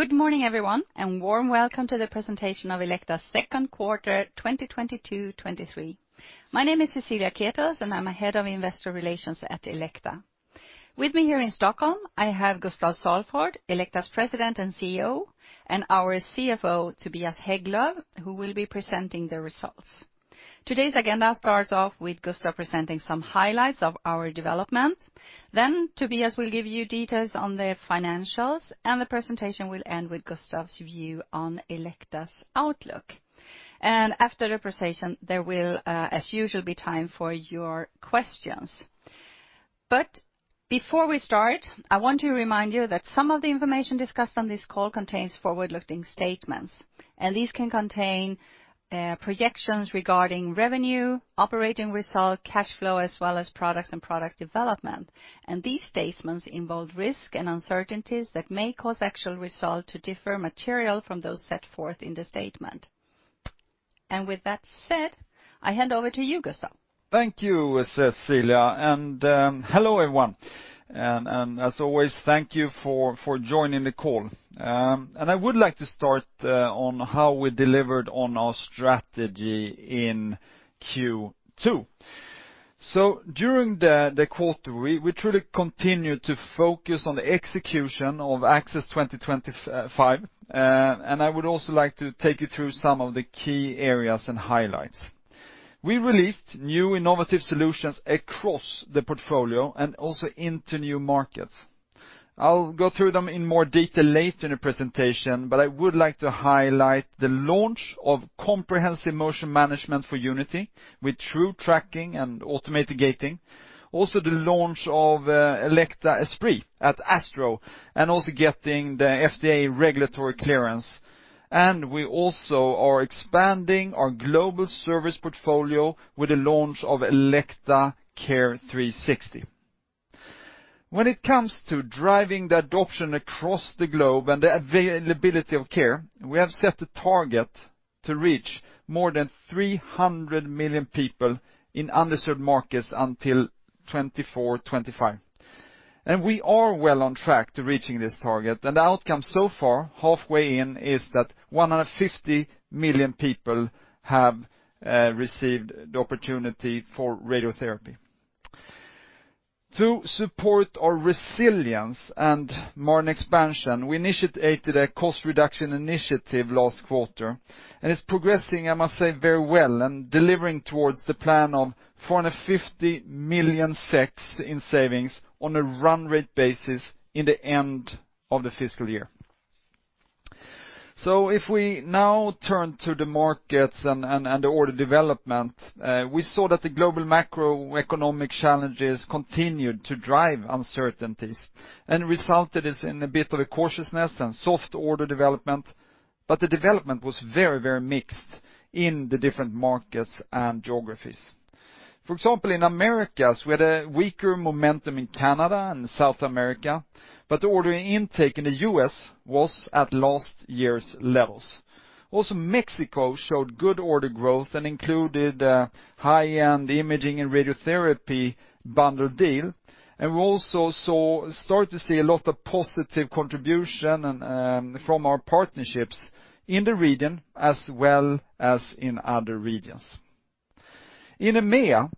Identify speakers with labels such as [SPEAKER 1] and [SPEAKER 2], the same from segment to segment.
[SPEAKER 1] Good morning, everyone, and warm welcome to the presentation of Elekta's second quarter 2022-2023. My name is Cecilia Ketels, and I'm a Head of Investor Relations at Elekta. With me here in Stockholm, I have Gustaf Salford, Elekta's President and CEO, and our CFO, Tobias Hägglöv, who will be presenting the results. Today's agenda starts off with Gustaf presenting some highlights of our development. Tobias will give you details on the financials, the presentation will end with Gustaf's view on Elekta's outlook. After the presentation, there will, as usual, be time for your questions. Before we start, I want to remind you that some of the information discussed on this call contains forward-looking statements. These can contain projections regarding revenue, operating result, cash flow, as well as products and product development. These statements involve risk and uncertainties that may cause actual result to differ material from those set forth in the statement. With that said, I hand over to you, Gustaf.
[SPEAKER 2] Thank you, Cecilia, hello, everyone. As always, thank you for joining the call. I would like to start on how we delivered on our strategy in Q2. During the quarter, we truly continued to focus on the execution of Access 2025, and I would also like to take you through some of the key areas and highlights. We released new innovative solutions across the portfolio and also into new markets. I'll go through them in more detail later in the presentation, but I would like to highlight the launch of Comprehensive Motion Management for Unity with True Tracking and automated gating. Also, the launch of Elekta Esprit at ASTRO and also getting the FDA regulatory clearance. We also are expanding our global service portfolio with the launch of Elekta Care 360. When it comes to driving the adoption across the globe and the availability of care, we have set a target to reach more than 300 million people in underserved markets until 2024, 2025. We are well on track to reaching this target. The outcome so far, halfway in, is that 150 million people have received the opportunity for radiotherapy. To support our resilience and market expansion, we initiated a cost reduction initiative last quarter, and it's progressing, I must say, very well and delivering towards the plan of 450 million in savings on a run rate basis in the end of the fiscal year. If we now turn to the markets and the order development, we saw that the global macroeconomic challenges continued to drive uncertainties and resulted us in a bit of a cautiousness and soft order development. The development was very, very mixed in the different markets and geographies. For example, in Americas, we had a weaker momentum in Canada and South America, but the order intake in the U.S. was at last year's levels. Also, Mexico showed good order growth and included a high-end imaging and radiotherapy bundle deal. We also started to see a lot of positive contribution from our partnerships in the region as well as in other regions. In EMEA,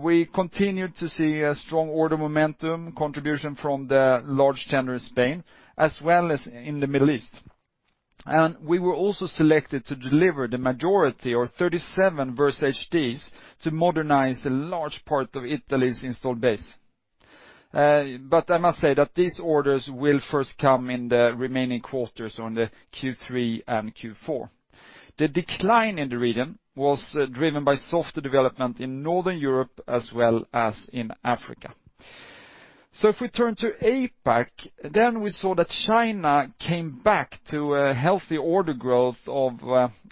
[SPEAKER 2] we continued to see a strong order momentum contribution from the large tender in Spain as well as in the Middle East. We were also selected to deliver the majority or 37 Versa HDs to modernize a large part of Italy's installed base. I must say that these orders will first come in the remaining quarters on the Q3 and Q4. The decline in the region was driven by softer development in Northern Europe as well as in Africa. If we turn to APAC, we saw that China came back to a healthy order growth of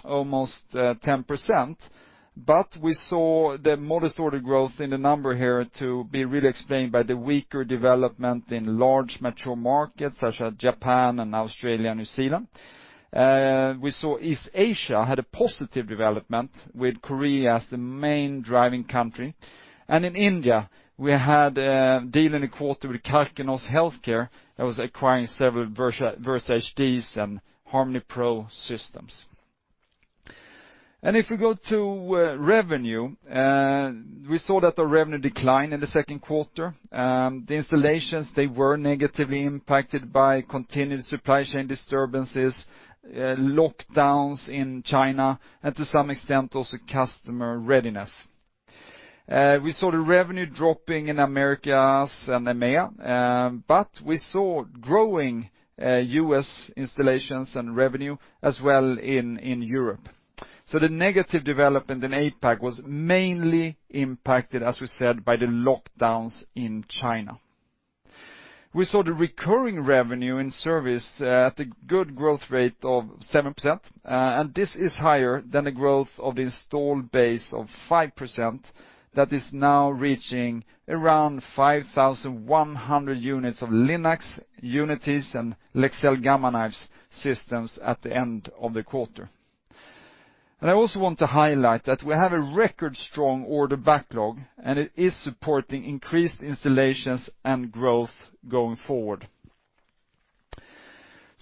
[SPEAKER 2] almost 10%. We saw the modest order growth in the number here to be really explained by the weaker development in large metro markets such as Japan and Australia, New Zealand. We saw East Asia had a positive development with Korea as the main driving country. In India, we had a deal in the quarter with Karkinos Healthcare that was acquiring several Versa HDs and Harmony Pro systems. If we go to revenue, we saw that the revenue declined in the second quarter. The installations, they were negatively impacted by continued supply chain disturbances, lockdowns in China, and to some extent, also customer readiness. We saw the revenue dropping in Americas and EMEA, but we saw growing U.S. installations and revenue as well in Europe. The negative development in APAC was mainly impacted, as we said, by the lockdowns in China. We saw the recurring revenue in service at a good growth rate of 7%, and this is higher than the growth of the installed base of 5% that is now reaching around 5,100 units of Linac, Unities, and Elekta Gamma Knife systems at the end of the quarter. I also want to highlight that we have a record strong order backlog, and it is supporting increased installations and growth going forward.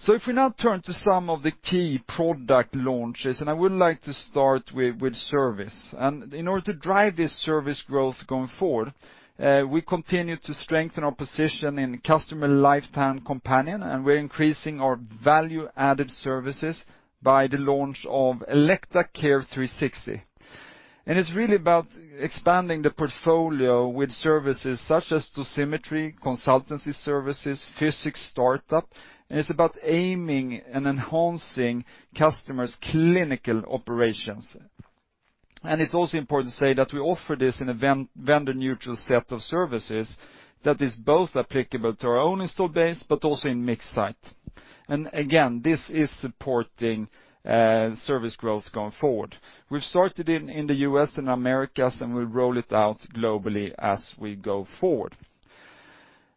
[SPEAKER 2] If we now turn to some of the key product launches, and I would like to start with service. In order to drive this service growth going forward, we continue to strengthen our position in customer lifetime companion, and we're increasing our value-added services by the launch of Elekta Care 360. It's really about expanding the portfolio with services such as dosimetry, consultancy services, physics startup, and it's about aiming and enhancing customers' clinical operations. It's also important to say that we offer this in a vendor neutral set of services that is both applicable to our own installed base, but also in mixed site. Again, this is supporting service growth going forward. We've started in the U.S. and Americas, and we'll roll it out globally as we go forward.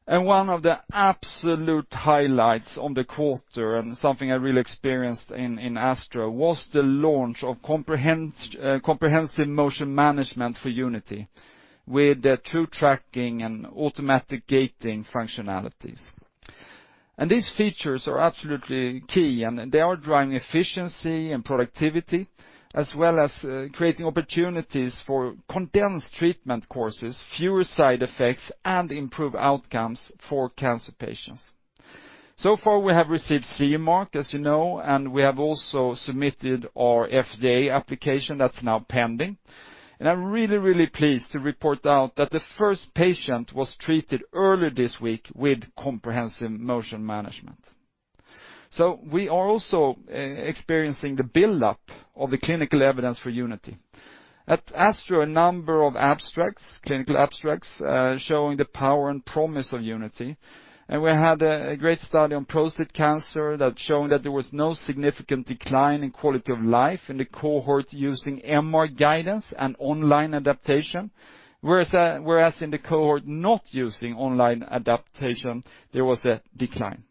[SPEAKER 2] One of the absolute highlights on the quarter and something I really experienced in ASTRO was the launch of Comprehensive Motion Management for Unity with the True Tracking and Automatic Gating functionalities. These features are absolutely key, and they are driving efficiency and productivity as well as creating opportunities for condensed treatment courses, fewer side effects, and improved outcomes for cancer patients. So far, we have received CE mark, as you know, we have also submitted our FDA application that's now pending. I'm really pleased to report out that the first patient was treated earlier this week with Comprehensive Motion Management. We are also experiencing the buildup of the clinical evidence for Unity. At ASTRO, a number of abstracts, clinical abstracts, showing the power and promise of Unity. We had a great study on prostate cancer that's showing that there was no significant decline in quality of life in the cohort using MR guidance and online adaptation. Whereas in the cohort not using online adaptation, there was a decline.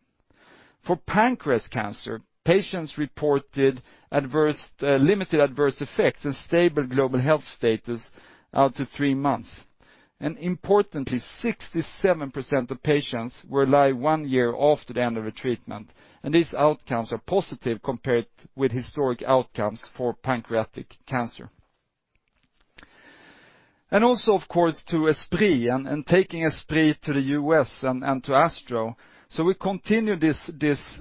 [SPEAKER 2] For pancreas cancer, patients reported limited adverse effects and stable global health status out to three months. Importantly, 67% of patients were alive one year after the end of the treatment, and these outcomes are positive compared with historic outcomes for pancreatic cancer. Also, of course, to Esprit, and taking Esprit to the U.S. and to ASTRO. We continue this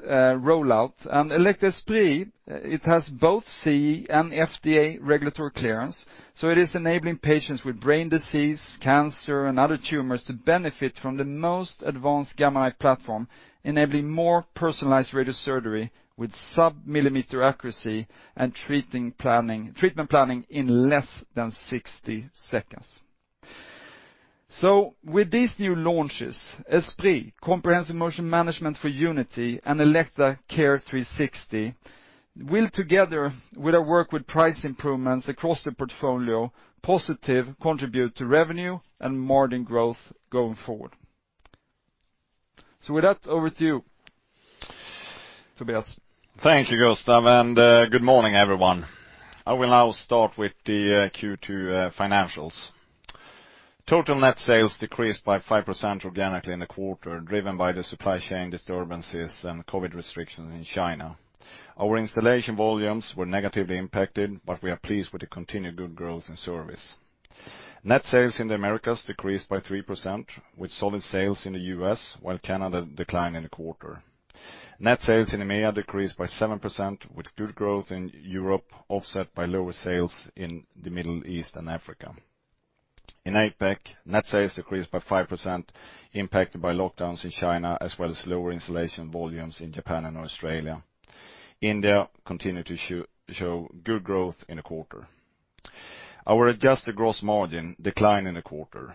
[SPEAKER 2] rollout. Elekta Esprit, it has both CE and FDA regulatory clearance, so it is enabling patients with brain disease, cancer, and other tumors to benefit from the most advanced Gamma Knife platform, enabling more personalized radiosurgery with sub-millimeter accuracy and treatment planning in less than 60 seconds. With these new launches, Esprit, Comprehensive Motion Management for Unity, and Elekta Care 360 will together, with our work with price improvements across the portfolio, positive contribute to revenue and margin growth going forward. With that, over to you, Tobias.
[SPEAKER 3] Thank you, Gustaf, and good morning, everyone. I will now start with the Q2 financials. Total net sales decreased by 5% organically in the quarter, driven by the supply chain disturbances and COVID restrictions in China. Our installation volumes were negatively impacted, but we are pleased with the continued good growth in service. Net sales in the Americas decreased by 3%, with solid sales in the U.S. while Canada declined in the quarter. Net sales in EMEA decreased by 7% with good growth in Europe, offset by lower sales in the Middle East and Africa. In APAC, net sales decreased by 5%, impacted by lockdowns in China as well as lower installation volumes in Japan and Australia. India continued to show good growth in the quarter. Our adjusted gross margin declined in the quarter.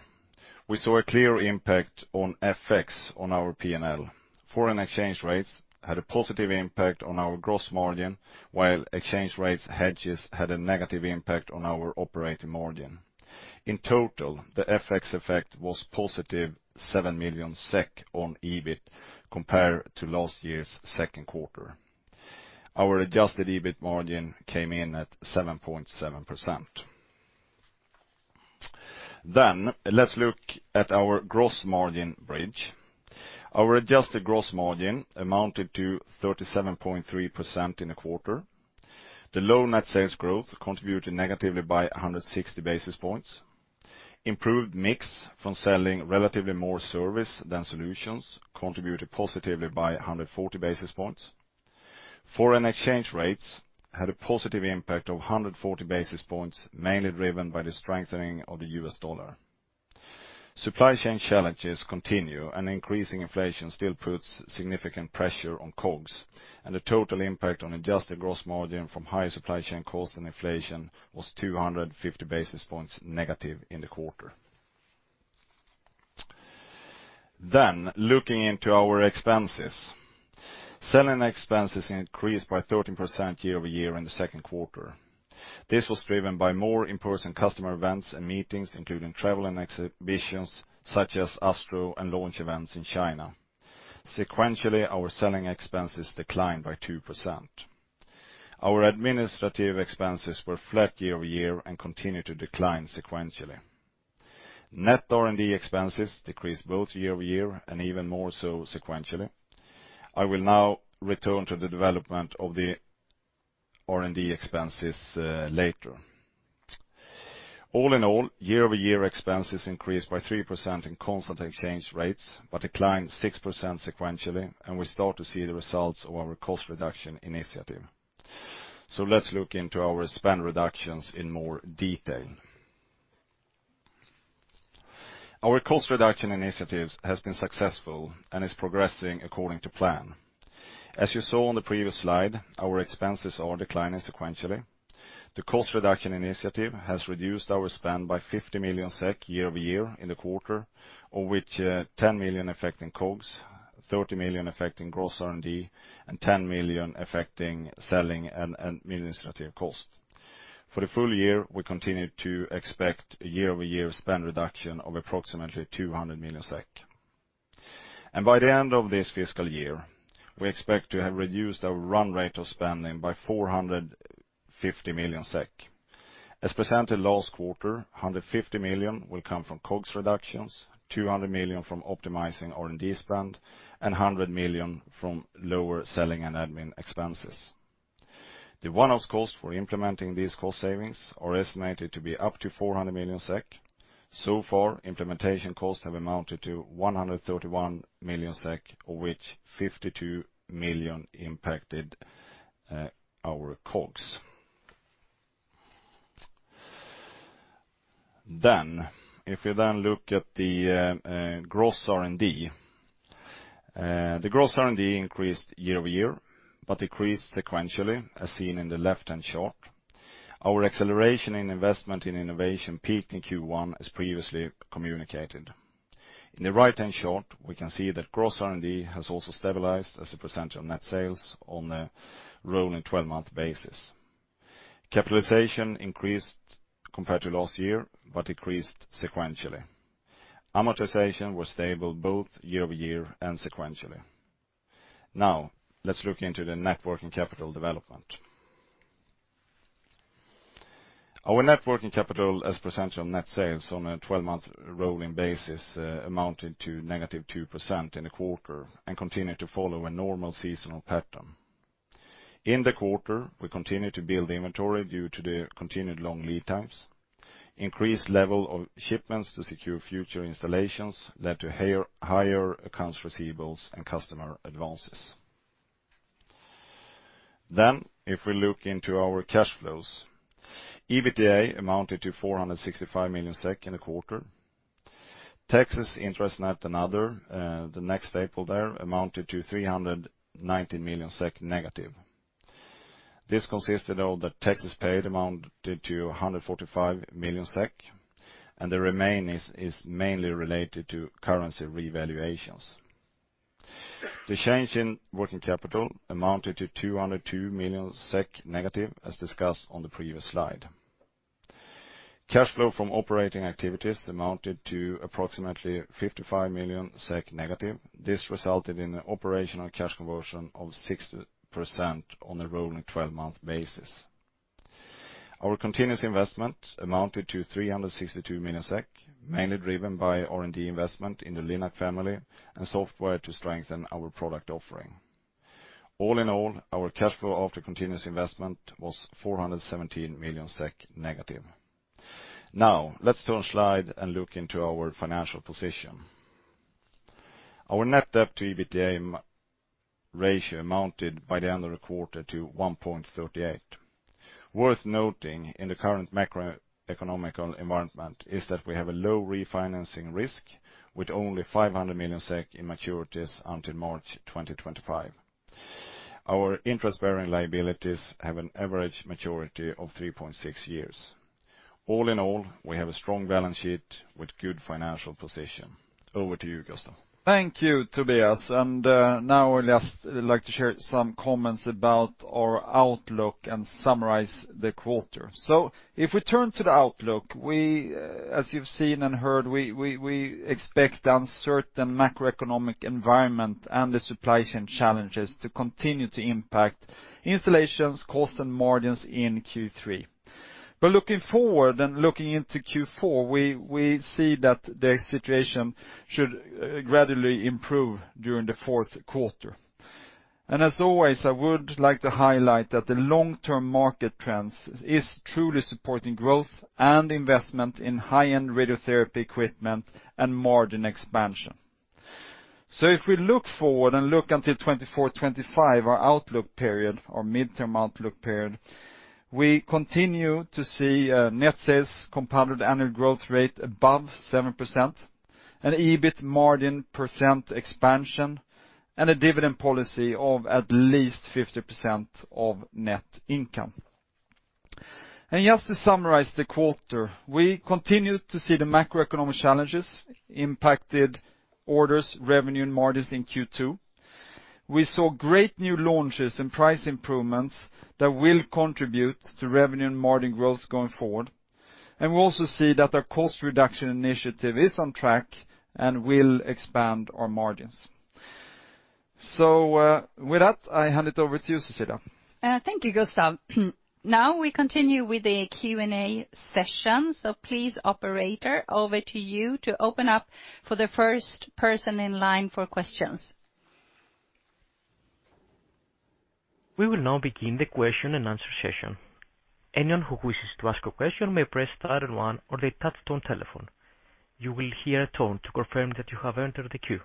[SPEAKER 3] We saw a clear impact on FX on our P&L. Foreign exchange rates had a positive impact on our gross margin, while exchange rates hedges had a negative impact on our operating margin. In total, the FX effect was positive 7 million SEK on EBIT compared to last year's second quarter. Our adjusted EBIT margin came in at 7.7%. Let's look at our gross margin bridge. Our adjusted gross margin amounted to 37.3% in the quarter. The low net sales growth contributed negatively by 160 basis points. Improved mix from selling relatively more service than solutions contributed positively by 140 basis points. Foreign exchange rates had a positive impact of 140 basis points, mainly driven by the strengthening of the U.S. dollar. Supply chain challenges continue, increasing inflation still puts significant pressure on COGS, and the total impact on adjusted gross margin from higher supply chain costs and inflation was 250 basis points negative in the quarter. Looking into our expenses. Selling expenses increased by 13% year-over-year in the second quarter. This was driven by more in-person customer events and meetings, including travel and exhibitions such as ASTRO and launch events in China. Sequentially, our selling expenses declined by 2%. Our administrative expenses were flat year-over-year and continue to decline sequentially. Net R&D expenses decreased both year-over-year and even more so sequentially. I will now return to the development of the R&D expenses later. All in all, year-over-year expenses increased by 3% in constant exchange rates, but declined 6% sequentially, and we start to see the results of our cost reduction initiative. Let's look into our spend reductions in more detail. Our cost reduction initiatives has been successful and is progressing according to plan. As you saw on the previous slide, our expenses are declining sequentially. The cost reduction initiative has reduced our spend by 50 million SEK year-over-year in the quarter, of which 10 million affecting COGS, 30 million affecting gross R&D, and 10 million affecting selling and administrative cost. For the full year, we continue to expect a year-over-year spend reduction of approximately 200 million SEK. By the end of this fiscal year, we expect to have reduced our run rate of spending by 450 million SEK. As presented last quarter, 150 million will come from COGS reductions, 200 million from optimizing R&D spend, and 100 million from lower selling and admin expenses. The one-off costs for implementing these cost savings are estimated to be up to 400 million SEK. Far, implementation costs have amounted to 131 million SEK, of which 52 million impacted our COGS. If you then look at the gross R&D. The gross R&D increased year-over-year, but decreased sequentially, as seen in the left-hand chart. Our acceleration in investment in innovation peaked in Q1 as previously communicated. In the right-hand chart, we can see that gross R&D has also stabilized as a percentage of net sales on a rolling 12-month basis. Capitalization increased compared to last year, but decreased sequentially. Amortization was stable both year-over-year and sequentially. Now, let's look into the net working capital development. Our net working capital as a percentage of net sales on a 12-month rolling basis amounted to -2% in the quarter, continued to follow a normal seasonal pattern. In the quarter, we continued to build inventory due to the continued long lead times. Increased level of shipments to secure future installations led to higher accounts receivables and customer advances. If we look into our cash flows, EBITDA amounted to 465 million SEK in the quarter. Taxes, interest net and other, the next staple there, amounted to 319 million SEK negative. This consisted of the taxes paid amounted to 145 million SEK, the remaining is mainly related to currency revaluations. The change in working capital amounted to 202 million SEK negative, as discussed on the previous slide. Cash flow from operating activities amounted to approximately -55 million SEK. This resulted in an operational cash conversion of 60% on a rolling 12-month basis. Our continuous investment amounted to 362 million SEK, mainly driven by R&D investment in the Linac family and software to strengthen our product offering. All in all, our cash flow after continuous investment was -417 million SEK. Let's turn slide and look into our financial position. Our net debt to EBITDA ratio amounted by the end of the quarter to 1.38. Worth noting in the current macroeconomic environment is that we have a low refinancing risk with only 500 million SEK in maturities until March 2025. Our interest-bearing liabilities have an average maturity of 3.6 years. All in all, we have a strong balance sheet with good financial position. Over to you, Gustaf.
[SPEAKER 2] Thank you, Tobias. Now I'd just like to share some comments about our outlook and summarize the quarter. If we turn to the outlook, we, as you've seen and heard, we expect the uncertain macroeconomic environment and the supply chain challenges to continue to impact installations, cost, and margins in Q3. Looking forward and looking into Q4, we see that the situation should gradually improve during the fourth quarter. As always, I would like to highlight that the long-term market trends is truly supporting growth and investment in high-end radiotherapy equipment and margin expansion. If we look forward and look until 2024, 2025, our outlook period, our midterm outlook period, we continue to see a net sales compounded annual growth rate above 7%, an EBIT margin percent expansion, and a dividend policy of at least 50% of net income. Just to summarize the quarter, we continue to see the macroeconomic challenges impacted orders, revenue, and margins in Q2. We saw great new launches and price improvements that will contribute to revenue and margin growth going forward. We also see that our cost reduction initiative is on track and will expand our margins. With that, I hand it over to you, Cecile.
[SPEAKER 1] Thank you, Gustaf. Now we continue with the Q&A session. Please operator, over to you to open up for the first person in line for questions.
[SPEAKER 4] We will now begin the question and answer session. Anyone who wishes to ask a question may press star and one on their touchtone telephone. You will hear a tone to confirm that you have entered the queue.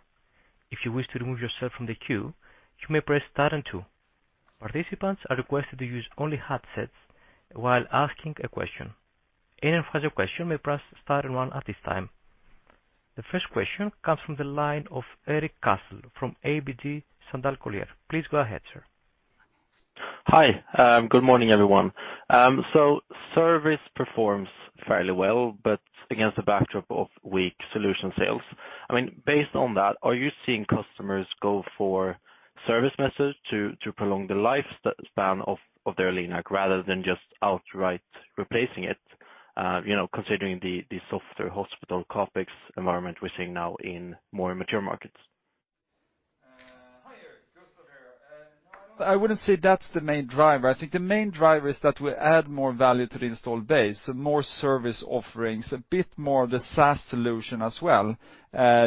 [SPEAKER 4] If you wish to remove yourself from the queue, you may press star and two. Participants are requested to use only headsets while asking a question. Anyone who has a question may press star and one at this time. The first question comes from the line of Erik Cassel from ABG Sundal Collier. Please go ahead, sir.
[SPEAKER 5] Hi, good morning, everyone. Service performs fairly well, but against the backdrop of weak solution sales. I mean, based on that, are you seeing customers go for service message to prolong the lifespan of their Linac rather than just outright replacing it? You know, considering the softer hospital CapEx environment we're seeing now in more mature markets.
[SPEAKER 2] Hi Erik, Gustaf here. No, I wouldn't say that's the main driver. I think the main driver is that we add more value to the installed base, more service offerings, a bit more of the SaaS solution as well,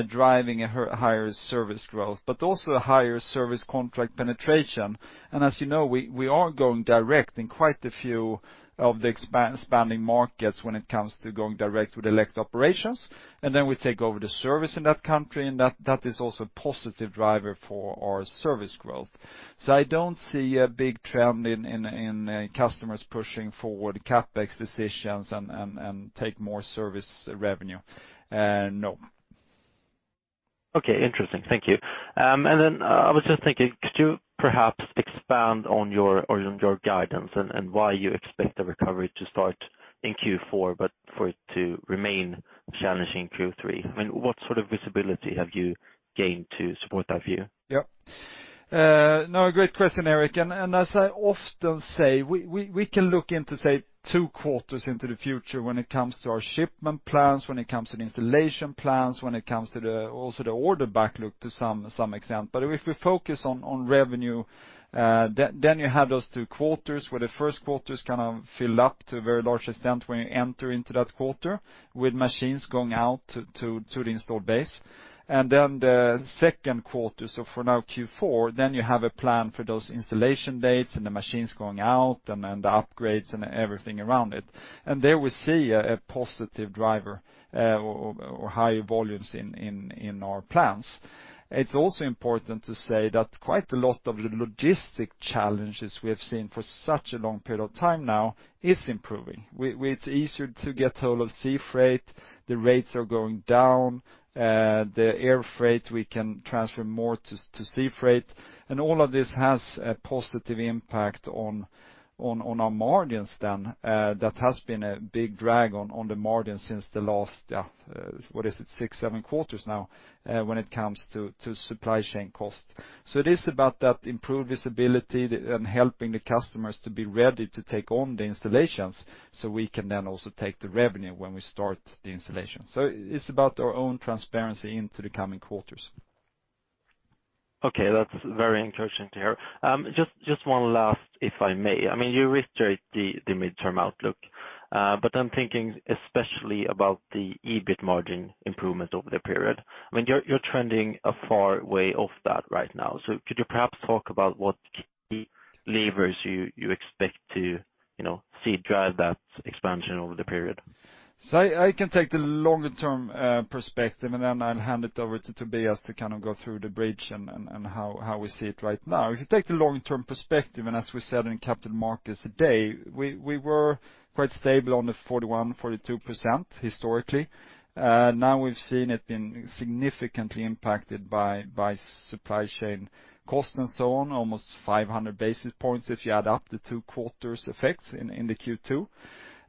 [SPEAKER 2] driving a higher service growth, but also a higher service contract penetration. As you know, we are going direct in quite a few of the expanding markets when it comes to going direct with Elekta operations, and then we take over the service in that country, and that is also a positive driver for our service growth. I don't see a big trend in customers pushing forward CapEx decisions and take more service revenue. No.
[SPEAKER 5] Okay. Interesting. Thank you. I was just thinking, could you perhaps expand on your guidance and why you expect the recovery to start in Q4, but for it to remain challenging in Q3? I mean, what sort of visibility have you gained to support that view?
[SPEAKER 2] Yeah. No, a great question, Erik. As I often say, we can look into, say, two quarters into the future when it comes to our shipment plans, when it comes to the installation plans, when it comes to the also the order backlog to some extent. If we focus on revenue, then you have those two quarters where the first quarter is kind of filled up to a very large extent when you enter into that quarter with machines going out to the installed base. Then the second quarter, so for now, Q4, then you have a plan for those installation dates and the machines going out and the upgrades and everything around it. There we see a positive driver, or higher volumes in our plans. It's also important to say that quite a lot of the logistic challenges we have seen for such a long period of time now is improving. It's easier to get hold of sea freight. The rates are going down. The air freight, we can transfer more to sea freight. All of this has a positive impact on our margins then. That has been a big drag on the margin since the last, what is it? six, seven quarters now, when it comes to supply chain cost. It is about that improved visibility and helping the customers to be ready to take on the installations, so we can then also take the revenue when we start the installation. It's about our own transparency into the coming quarters.
[SPEAKER 5] That's very encouraging to hear. Just one last, if I may. I mean, you reiterate the midterm outlook, but I'm thinking especially about the EBIT margin improvement over the period. I mean, you're trending a far way off that right now. Could you perhaps talk about what key levers you expect to, you know, see drive that expansion over the period?
[SPEAKER 2] I can take the longer-term perspective, and then I'll hand it over to Tobias to kind of go through the bridge and how we see it right now. If you take the long-term perspective, and as we said in Capital Markets Day, we were quite stable on the 41%, 42% historically. Now we've seen it been significantly impacted by supply chain costs and so on, almost 500 basis points if you add up the two quarters effects in the Q2.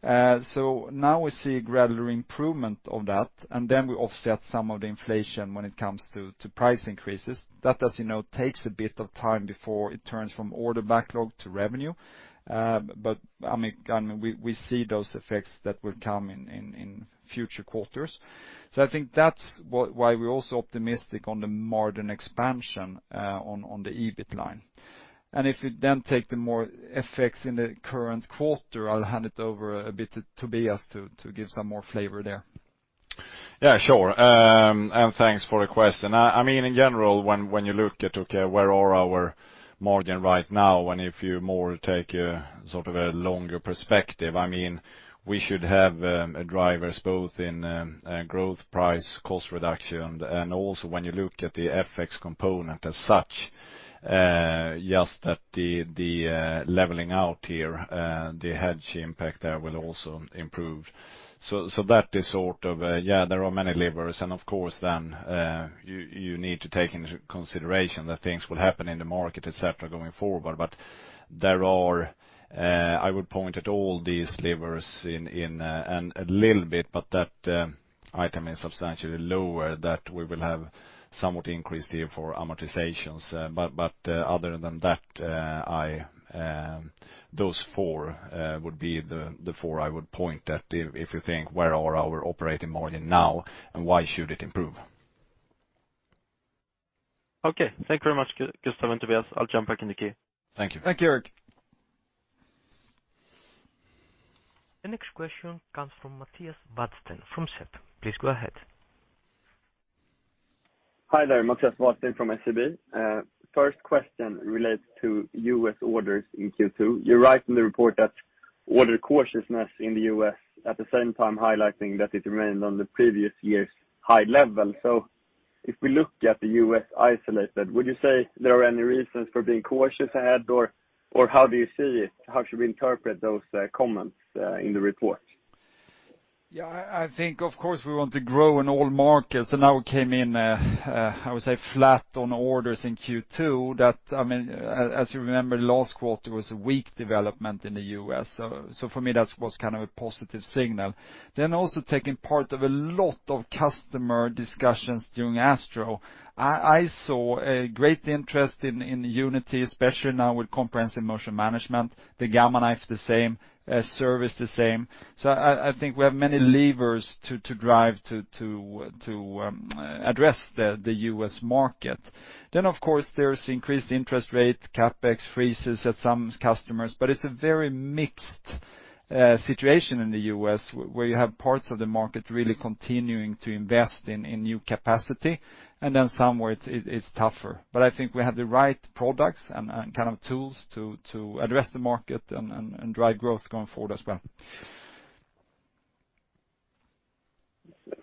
[SPEAKER 2] Now we see a gradual improvement of that, and then we offset some of the inflation when it comes to price increases. That, as you know, takes a bit of time before it turns from order backlog to revenue. I mean, we see those effects that will come in future quarters. I think that's why we're also optimistic on the margin expansion on the EBIT line. If we then take the more effects in the current quarter, I'll hand it over a bit to Tobias to give some more flavor there.
[SPEAKER 3] Yeah, sure. Thanks for the question. I mean, in general, when you look at, okay, where are our margin right now, and if you more take a sort of a longer perspective, I mean, we should have drivers both in growth, price, cost reduction, and also when you look at the FX component as such, just that the leveling out here, the hedge impact there will also improve. That is sort of, yeah, there are many levers. Of course then, you need to take into consideration that things will happen in the market, et cetera, going forward. There are, I would point at all these levers in a and a little bit, but that Item is substantially lower that we will have somewhat increased here for amortizations. Other than that, I, those four, would be the four I would point at if you think where are our operating margin now, and why should it improve?
[SPEAKER 5] Okay, thank you very much, Gustaf and Tobias. I'll jump back in the queue.
[SPEAKER 3] Thank you.
[SPEAKER 2] Thank you, Erik.
[SPEAKER 4] The next question comes from Mattias Vadsten from SEB. Please go ahead.
[SPEAKER 6] Hi there, Mattias Vadsten from SEB. First question relates to U.S. orders in Q2. You write in the report that order cautiousness in the U.S. at the same time highlighting that it remained on the previous year's high level. If we look at the U.S. isolated, would you say there are any reasons for being cautious ahead? Or how do you see it? How should we interpret those comments in the report?
[SPEAKER 2] I think of course we want to grow in all markets. Now we came in, I would say flat on orders in Q2 that, I mean, as you remember, last quarter was a weak development in the U.S. For me, that was kind of a positive signal. Also taking part of a lot of customer discussions during ASTRO. I saw a great interest in Unity, especially now with Comprehensive Motion Management, the Gamma Knife the same, service the same. I think we have many levers to drive to address the U.S. market. Of course, there's increased interest rate, CapEx freezes at some customers. It's a very mixed situation in the U.S. where you have parts of the market really continuing to invest in new capacity, and then somewhere it's tougher. I think we have the right products and kind of tools to address the market and drive growth going forward as well.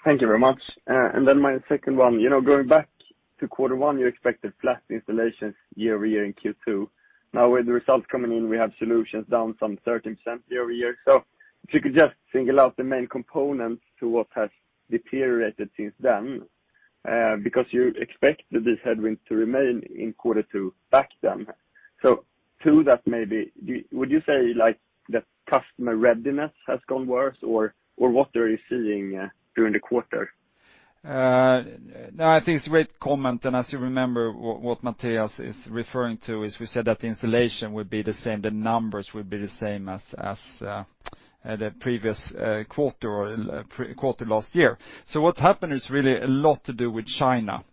[SPEAKER 6] Thank you very much. Then my second one. You know, going back to quarter one, you expected flat installations year-over-year in Q2. Now, with the results coming in, we have solutions down some 13% year-over-year. If you could just single out the main components to what has deteriorated since then, because you expect these headwinds to remain in quarter two back then. To that, maybe would you say, like, that customer readiness has gone worse, or what are you seeing during the quarter?
[SPEAKER 2] No, I think it's a great comment, as you remember, what Mattias is referring to is we said that the installation would be the same, the numbers would be the same as the previous quarter or quarter last year. What happened is really a lot to do with China.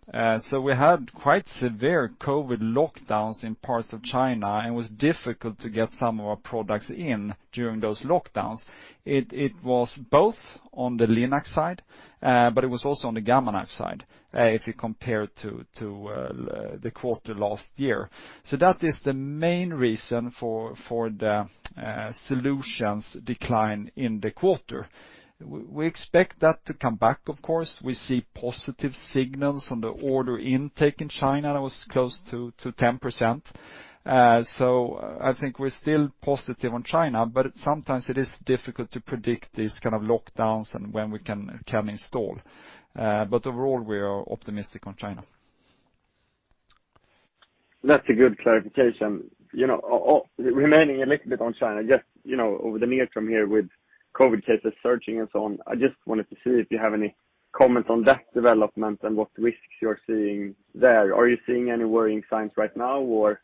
[SPEAKER 2] We had quite severe COVID lockdowns in parts of China, and it was difficult to get some of our products in during those lockdowns. It was both on the Linac side, but it was also on the Gamma Knife side, if you compare it to the quarter last year. That is the main reason for the solutions decline in the quarter. We expect that to come back, of course. We see positive signals on the order intake in China was close to 10%. I think we're still positive on China, but sometimes it is difficult to predict these kind of lockdowns and when we can install. Overall, we are optimistic on China.
[SPEAKER 6] That's a good clarification. You know, remaining a little bit on China, just, you know, over the near term here with COVID cases surging and so on, I just wanted to see if you have any comment on that development and what risks you're seeing there. Are you seeing any worrying signs right now or,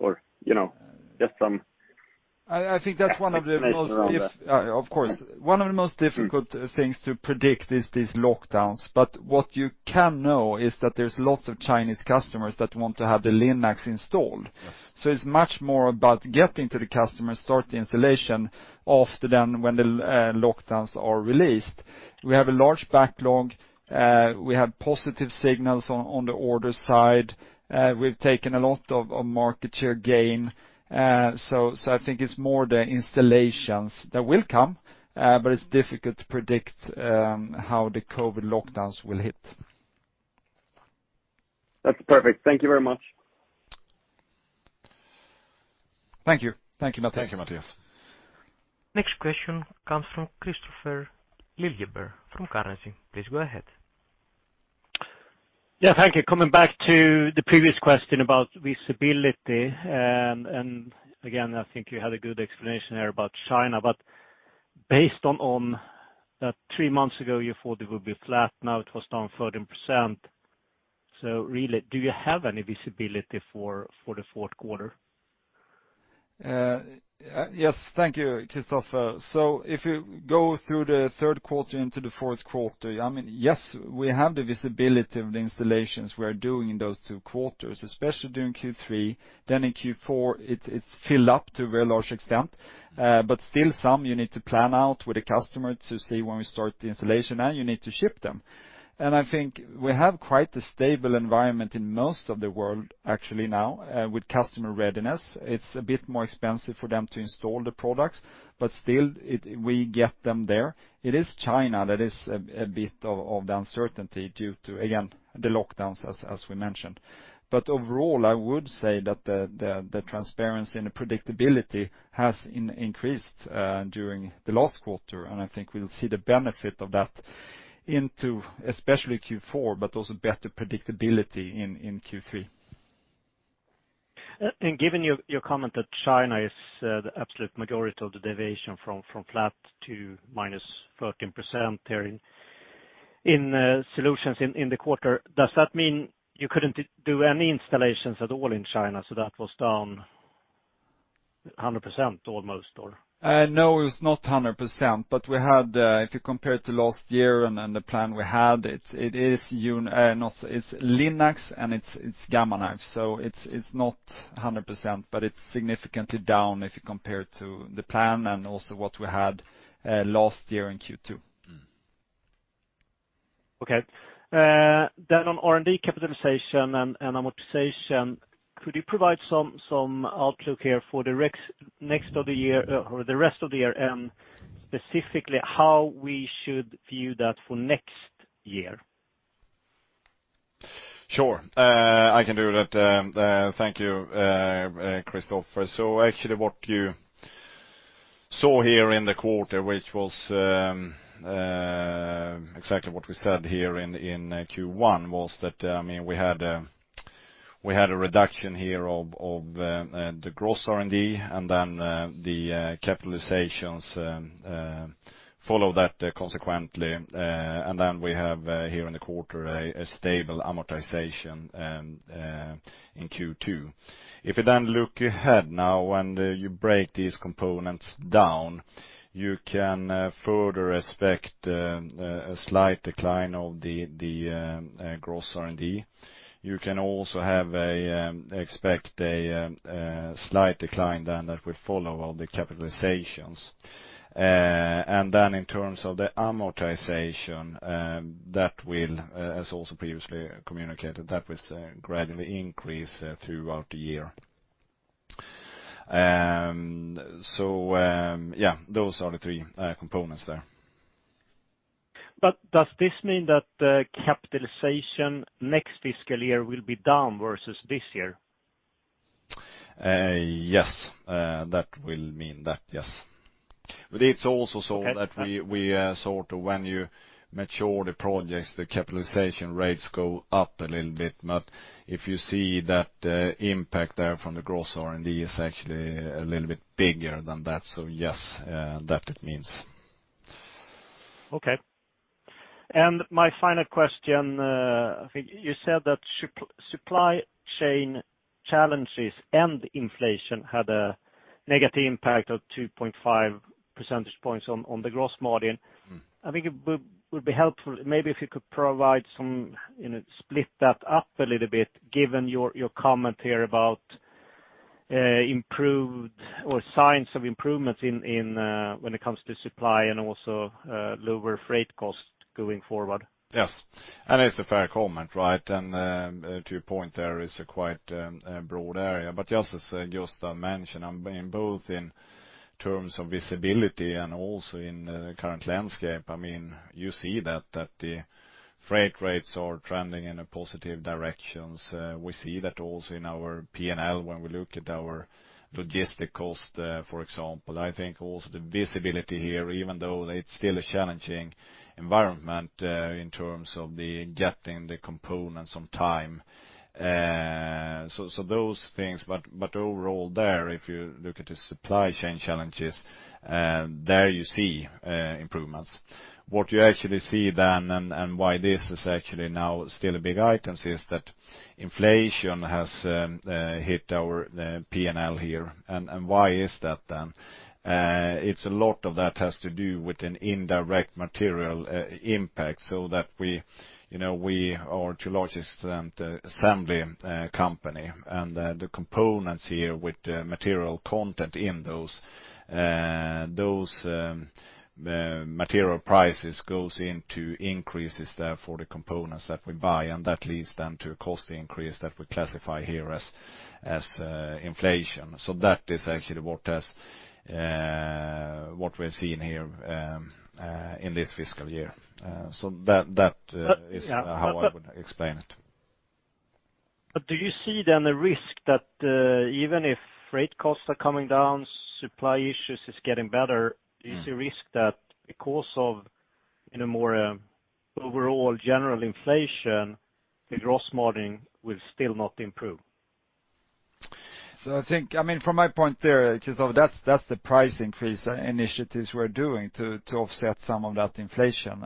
[SPEAKER 6] you know, just.
[SPEAKER 2] I think that's one of the most
[SPEAKER 6] Explanation around that.
[SPEAKER 2] Of course. One of the most difficult things to predict is these lockdowns. What you can know is that there's lots of Chinese customers that want to have the Linac installed.
[SPEAKER 6] Yes.
[SPEAKER 2] It's much more about getting to the customer, start the installation after then when the lockdowns are released. We have a large backlog. We have positive signals on the order side. We've taken a lot of market share gain. I think it's more the installations that will come, but it's difficult to predict how the COVID lockdowns will hit.
[SPEAKER 6] That's perfect. Thank you very much.
[SPEAKER 2] Thank you. Thank you, Mattias.
[SPEAKER 3] Thank you, Mattias.
[SPEAKER 4] Next question comes from Kristofer Liljeberg from Carnegie. Please go ahead.
[SPEAKER 7] Yeah, thank you. Coming back to the previous question about visibility, again, I think you had a good explanation there about China. Based on that three months ago, you thought it would be flat, now it was down 13%. Really, do you have any visibility for the fourth quarter?
[SPEAKER 2] Yes. Thank you, Kristofer. If you go through the third quarter into the fourth quarter, I mean, yes, we have the visibility of the installations we are doing in those two quarters, especially during Q3. In Q4, it's filled up to a very large extent. But still some you need to plan out with the customer to see when we start the installation, and you need to ship them. I think we have quite a stable environment in most of the world actually now, with customer readiness. It's a bit more expensive for them to install the products, but still we get them there. It is China that is a bit of the uncertainty due to, again, the lockdowns as we mentioned. Overall, I would say that the transparency and the predictability has increased during the last quarter, and I think we'll see the benefit of that into especially Q4, but also better predictability in Q3.
[SPEAKER 7] Given your comment that China is the absolute majority of the deviation from flat to -13% there in solutions in the quarter, does that mean you couldn't do any installations at all in China, so that was down 100% almost, or?
[SPEAKER 3] No, it's not 100%, but we had, if you compare it to last year and the plan we had, it's Linac and it's Gamma Knife. It's not a 100%, but it's significantly down if you compare it to the plan and also what we had last year in Q2.
[SPEAKER 7] Okay. On R&D capitalization and amortization, could you provide some outlook here for the rest of the year, and specifically how we should view that for next year?
[SPEAKER 3] Sure. I can do that. Thank you, Kristofer. Actually what you saw here in the quarter, which was exactly what we said here in Q1, was that, I mean, we had a reduction here of the gross R&D, and then the capitalizations follow that consequently. We have here in the quarter a stable amortization in Q2. If you then look ahead now, when you break these components down, you can further expect a slight decline of the gross R&D. You can also expect a slight decline then that will follow all the capitalizations. In terms of the amortization, that will, as also previously communicated, that will gradually increase throughout the year. Yeah, those are the three components there.
[SPEAKER 7] Does this mean that the capitalization next fiscal year will be down versus this year?
[SPEAKER 3] Yes. That will mean that, yes. It's also so that
[SPEAKER 7] Okay.
[SPEAKER 3] We, sort of when you mature the projects, the capitalization rates go up a little bit. If you see that, impact there from the gross R&D is actually a little bit bigger than that, yes, that it means.
[SPEAKER 7] Okay. My final question, I think you said that supply chain challenges and inflation had a negative impact of 2.5 percentage points on the gross margin.
[SPEAKER 3] Mm-hmm.
[SPEAKER 7] I think it would be helpful, maybe if you could provide some, you know, split that up a little bit, given your comment here about improved or signs of improvements in when it comes to supply and also lower freight costs going forward.
[SPEAKER 3] Yes. It's a fair comment, right? To your point, there is a quite broad area. Just as Gustaf mentioned, in both in terms of visibility and also in the current landscape, I mean, you see that the freight rates are trending in a positive directions. We see that also in our P&L when we look at our logistic cost, for example. I think also the visibility here, even though it's still a challenging environment, in terms of the getting the components on time. So those things, but overall there, if you look at the supply chain challenges, there you see improvements. What you actually see then and why this is actually now still a big item is that inflation has hit our, the P&L here. Why is that then? It's a lot of that has to do with an indirect material impact, so that we, you know, we are too large as an assembly company, and the components here with the material content in those material prices goes into increases there for the components that we buy, and that leads then to a cost increase that we classify here as inflation. That is actually what has, what we're seeing here, in this fiscal year. That is how I would explain it.
[SPEAKER 7] Do you see then a risk that, even if freight costs are coming down, supply issues is getting better?
[SPEAKER 3] Mm-hmm.
[SPEAKER 7] Is there risk that because of, in a more, overall general inflation, the gross margin will still not improve?
[SPEAKER 3] I think, from my point there, Kristofer, that's the price increase initiatives we're doing to offset some of that inflation.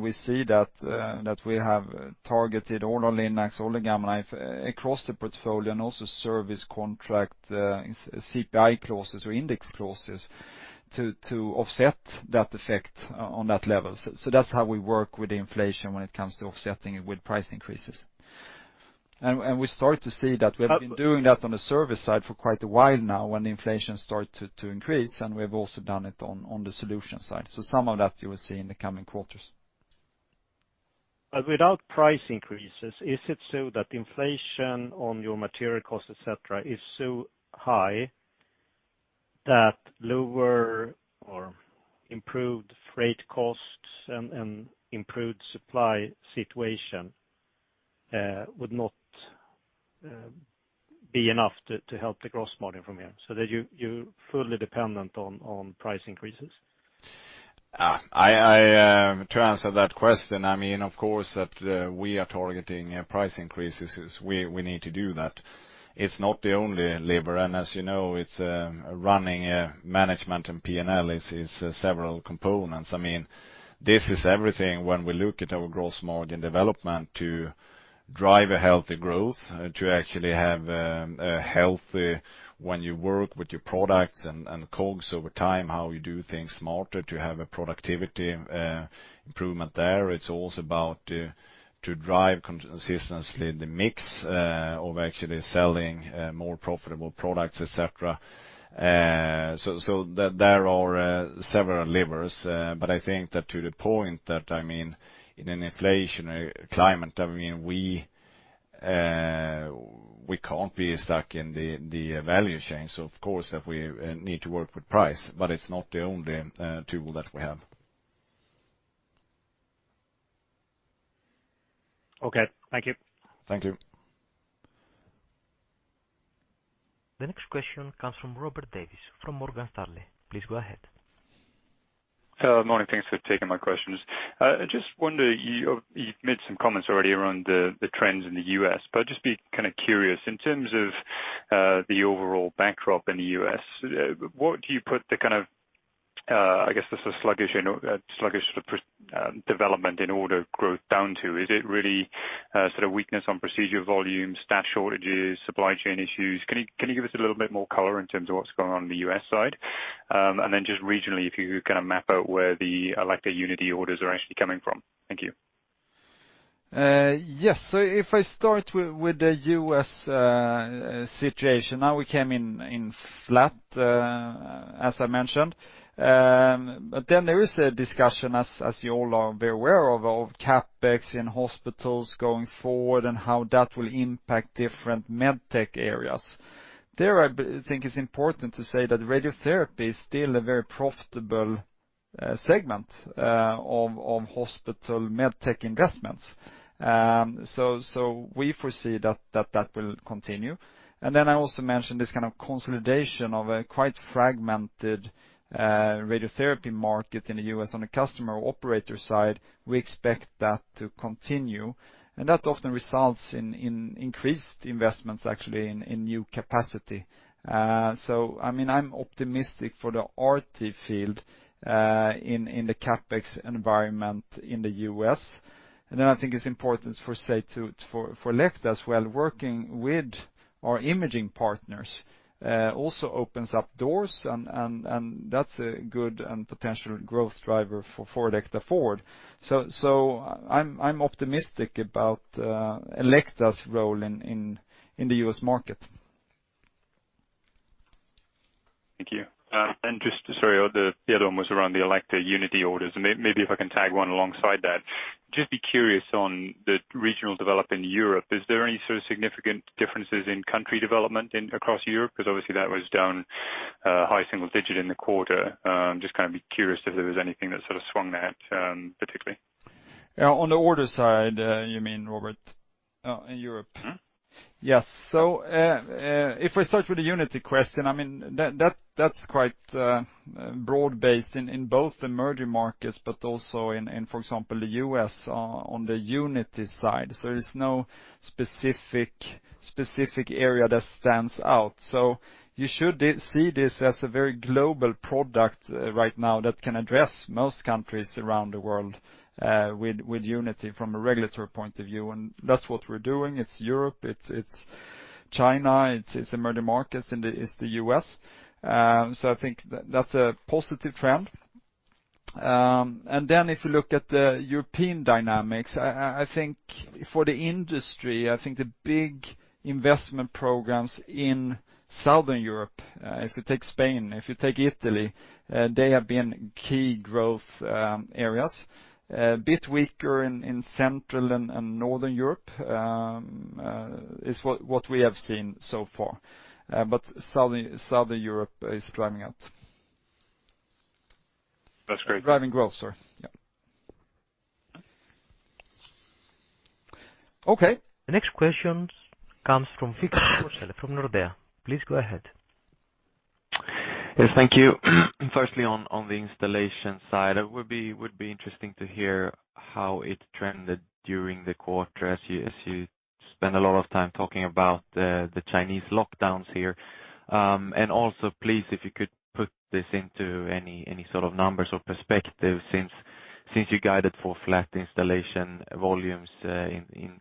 [SPEAKER 3] We see that we have targeted all our Linac, all the Gamma Knife across the portfolio and also service contract, CPI clauses or index clauses to offset that effect on that level. That's how we work with inflation when it comes to offsetting it with price increases. We start to see that. We have been doing that on the service side for quite a while now when inflation started to increase, and we have also done it on the solution side. Some of that you will see in the coming quarters.
[SPEAKER 7] Without price increases, is it so that inflation on your material costs, et cetera, is so high that lower or improved freight costs and improved supply situation, would not be enough to help the gross margin from here? That you're fully dependent on price increases?
[SPEAKER 2] I, to answer that question, I mean, of course, that we are targeting price increases, we need to do that. It's not the only lever. As you know, it's running management and P&L is several components. I mean, this is everything when we look at our gross margin development to drive a healthy growth, to actually have a healthy when you work with your products and COGS over time, how you do things smarter, to have a productivity improvement there. It's also about to drive consistently the mix of actually selling more profitable products, et cetera. There are several levers. I think that to the point that, I mean, in an inflationary climate, I mean, we can't be stuck in the value chain. Of course that we need to work with price, but it's not the only tool that we have.
[SPEAKER 7] Okay. Thank you.
[SPEAKER 2] Thank you.
[SPEAKER 4] The next question comes from Robert Davies, from Morgan Stanley. Please go ahead.
[SPEAKER 8] Morning. Thanks for taking my questions. I just wonder, you've made some comments already around the trends in the U.S., but just be curious, in terms of the overall backdrop in the U.S., what do you put the kind of, I guess the sluggish sort of development in order growth down to? Is it really sort of weakness on procedure volumes, staff shortages, supply chain issues? Can you give us a little bit more color in terms of what's going on in the U.S. side? Then just regionally, if you can map out where the Elekta Unity orders are actually coming from. Thank you.
[SPEAKER 2] Yes. If I start with the U.S. situation. We came in flat, as I mentioned. There is a discussion, as you all are very aware of CapEx in hospitals going forward and how that will impact different Medtech areas. There, I think it's important to say that radiotherapy is still a very profitable segment of hospital Medtech investments. We foresee that will continue. I also mentioned this kind of consolidation of a quite fragmented radiotherapy market in the U.S. on a customer operator side, we expect that to continue. That often results in increased investments, actually, in new capacity. I mean, I'm optimistic for the RT field in the CapEx environment in the U.S. I think it's important for Elekta as well, working with our imaging partners, also opens up doors and that's a good and potential growth driver for Elekta forward. I'm optimistic about Elekta's role in the U.S. market.
[SPEAKER 8] Just, sorry, the other one was around the Elekta Unity orders. Maybe if I can tag one alongside that. Just be curious on the regional development in Europe. Is there any sort of significant differences in country development in, across Europe? 'Cause obviously that was down, high single digit in the quarter. Just kinda be curious if there was anything that sort of swung that, particularly.
[SPEAKER 2] Yeah. On the order side, you mean, Robert, in Europe?
[SPEAKER 8] Mm-hmm.
[SPEAKER 2] Yes. If we start with the Unity question, I mean, that's quite broad-based in both the emerging markets but also in, for example, the U.S. on the Unity side. There's no specific area that stands out. You should see this as a very global product right now that can address most countries around the world with Unity from a regulatory point of view, and that's what we're doing. It's Europe, it's China, it's emerging markets, and it's the U.S. I think that's a positive trend. Then if you look at the European dynamics, I think for the industry, I think the big investment programs in Southern Europe, if you take Spain, if you take Italy, they have been key growth areas. A bit weaker in Central and Northern Europe is what we have seen so far. Southern Europe is driving up.
[SPEAKER 8] That's great.
[SPEAKER 2] Driving growth, sorry. Yeah. Okay.
[SPEAKER 4] The next question comes from Victor Forssell from Nordea. Please go ahead.
[SPEAKER 9] Thank you. Firstly, on the installation side, it would be interesting to hear how it trended during the quarter as you spend a lot of time talking about the Chinese lockdowns here. Also please, if you could put this into any sort of numbers or perspective since you guided for flat installation volumes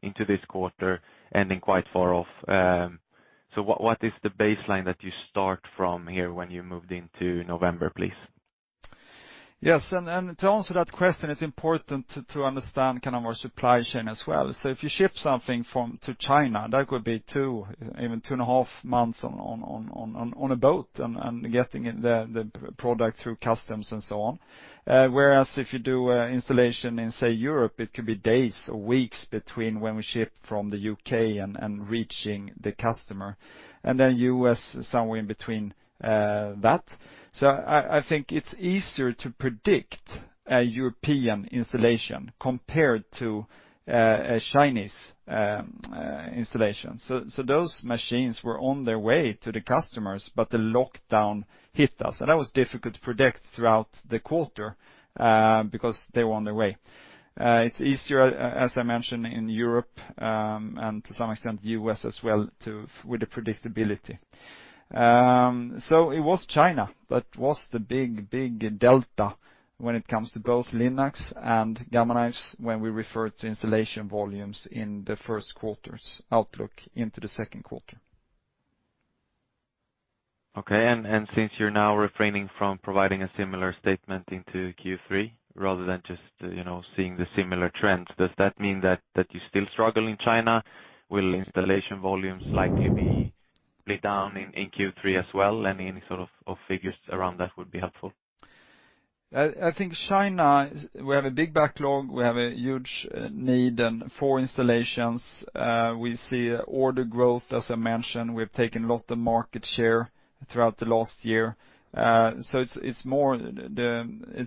[SPEAKER 9] into this quarter, ending quite far off. What is the baseline that you start from here when you moved into November, please?
[SPEAKER 2] Yes. To answer that question, it's important to understand kind of our supply chain as well. If you ship something from, to China, that could be two, even two and a half months on a boat and getting the product through customs and so on. Whereas if you do installation in, say, Europe, it could be days or weeks between when we ship from the U.K. and reaching the customer, and then U.S. somewhere in between that. I think it's easier to predict a European installation compared to a Chinese installation. Those machines were on their way to the customers, the lockdown hit us, and that was difficult to predict throughout the quarter because they were on their way. It's easier, as I mentioned, in Europe, and to some extent U.S. as well to, with the predictability. It was China that was the big, big delta when it comes to both Linac and Gamma Knife when we refer to installation volumes in the first quarter's outlook into the second quarter.
[SPEAKER 9] Okay. Since you're now refraining from providing a similar statement into Q3 rather than just, you know, seeing the similar trends, does that mean that you still struggle in China? Will installation volumes likely be split down in Q3 as well? Any sort of figures around that would be helpful.
[SPEAKER 2] We have a big backlog, we have a huge need and for installations, we see order growth, as I mentioned. We've taken a lot of market share throughout the last year. It's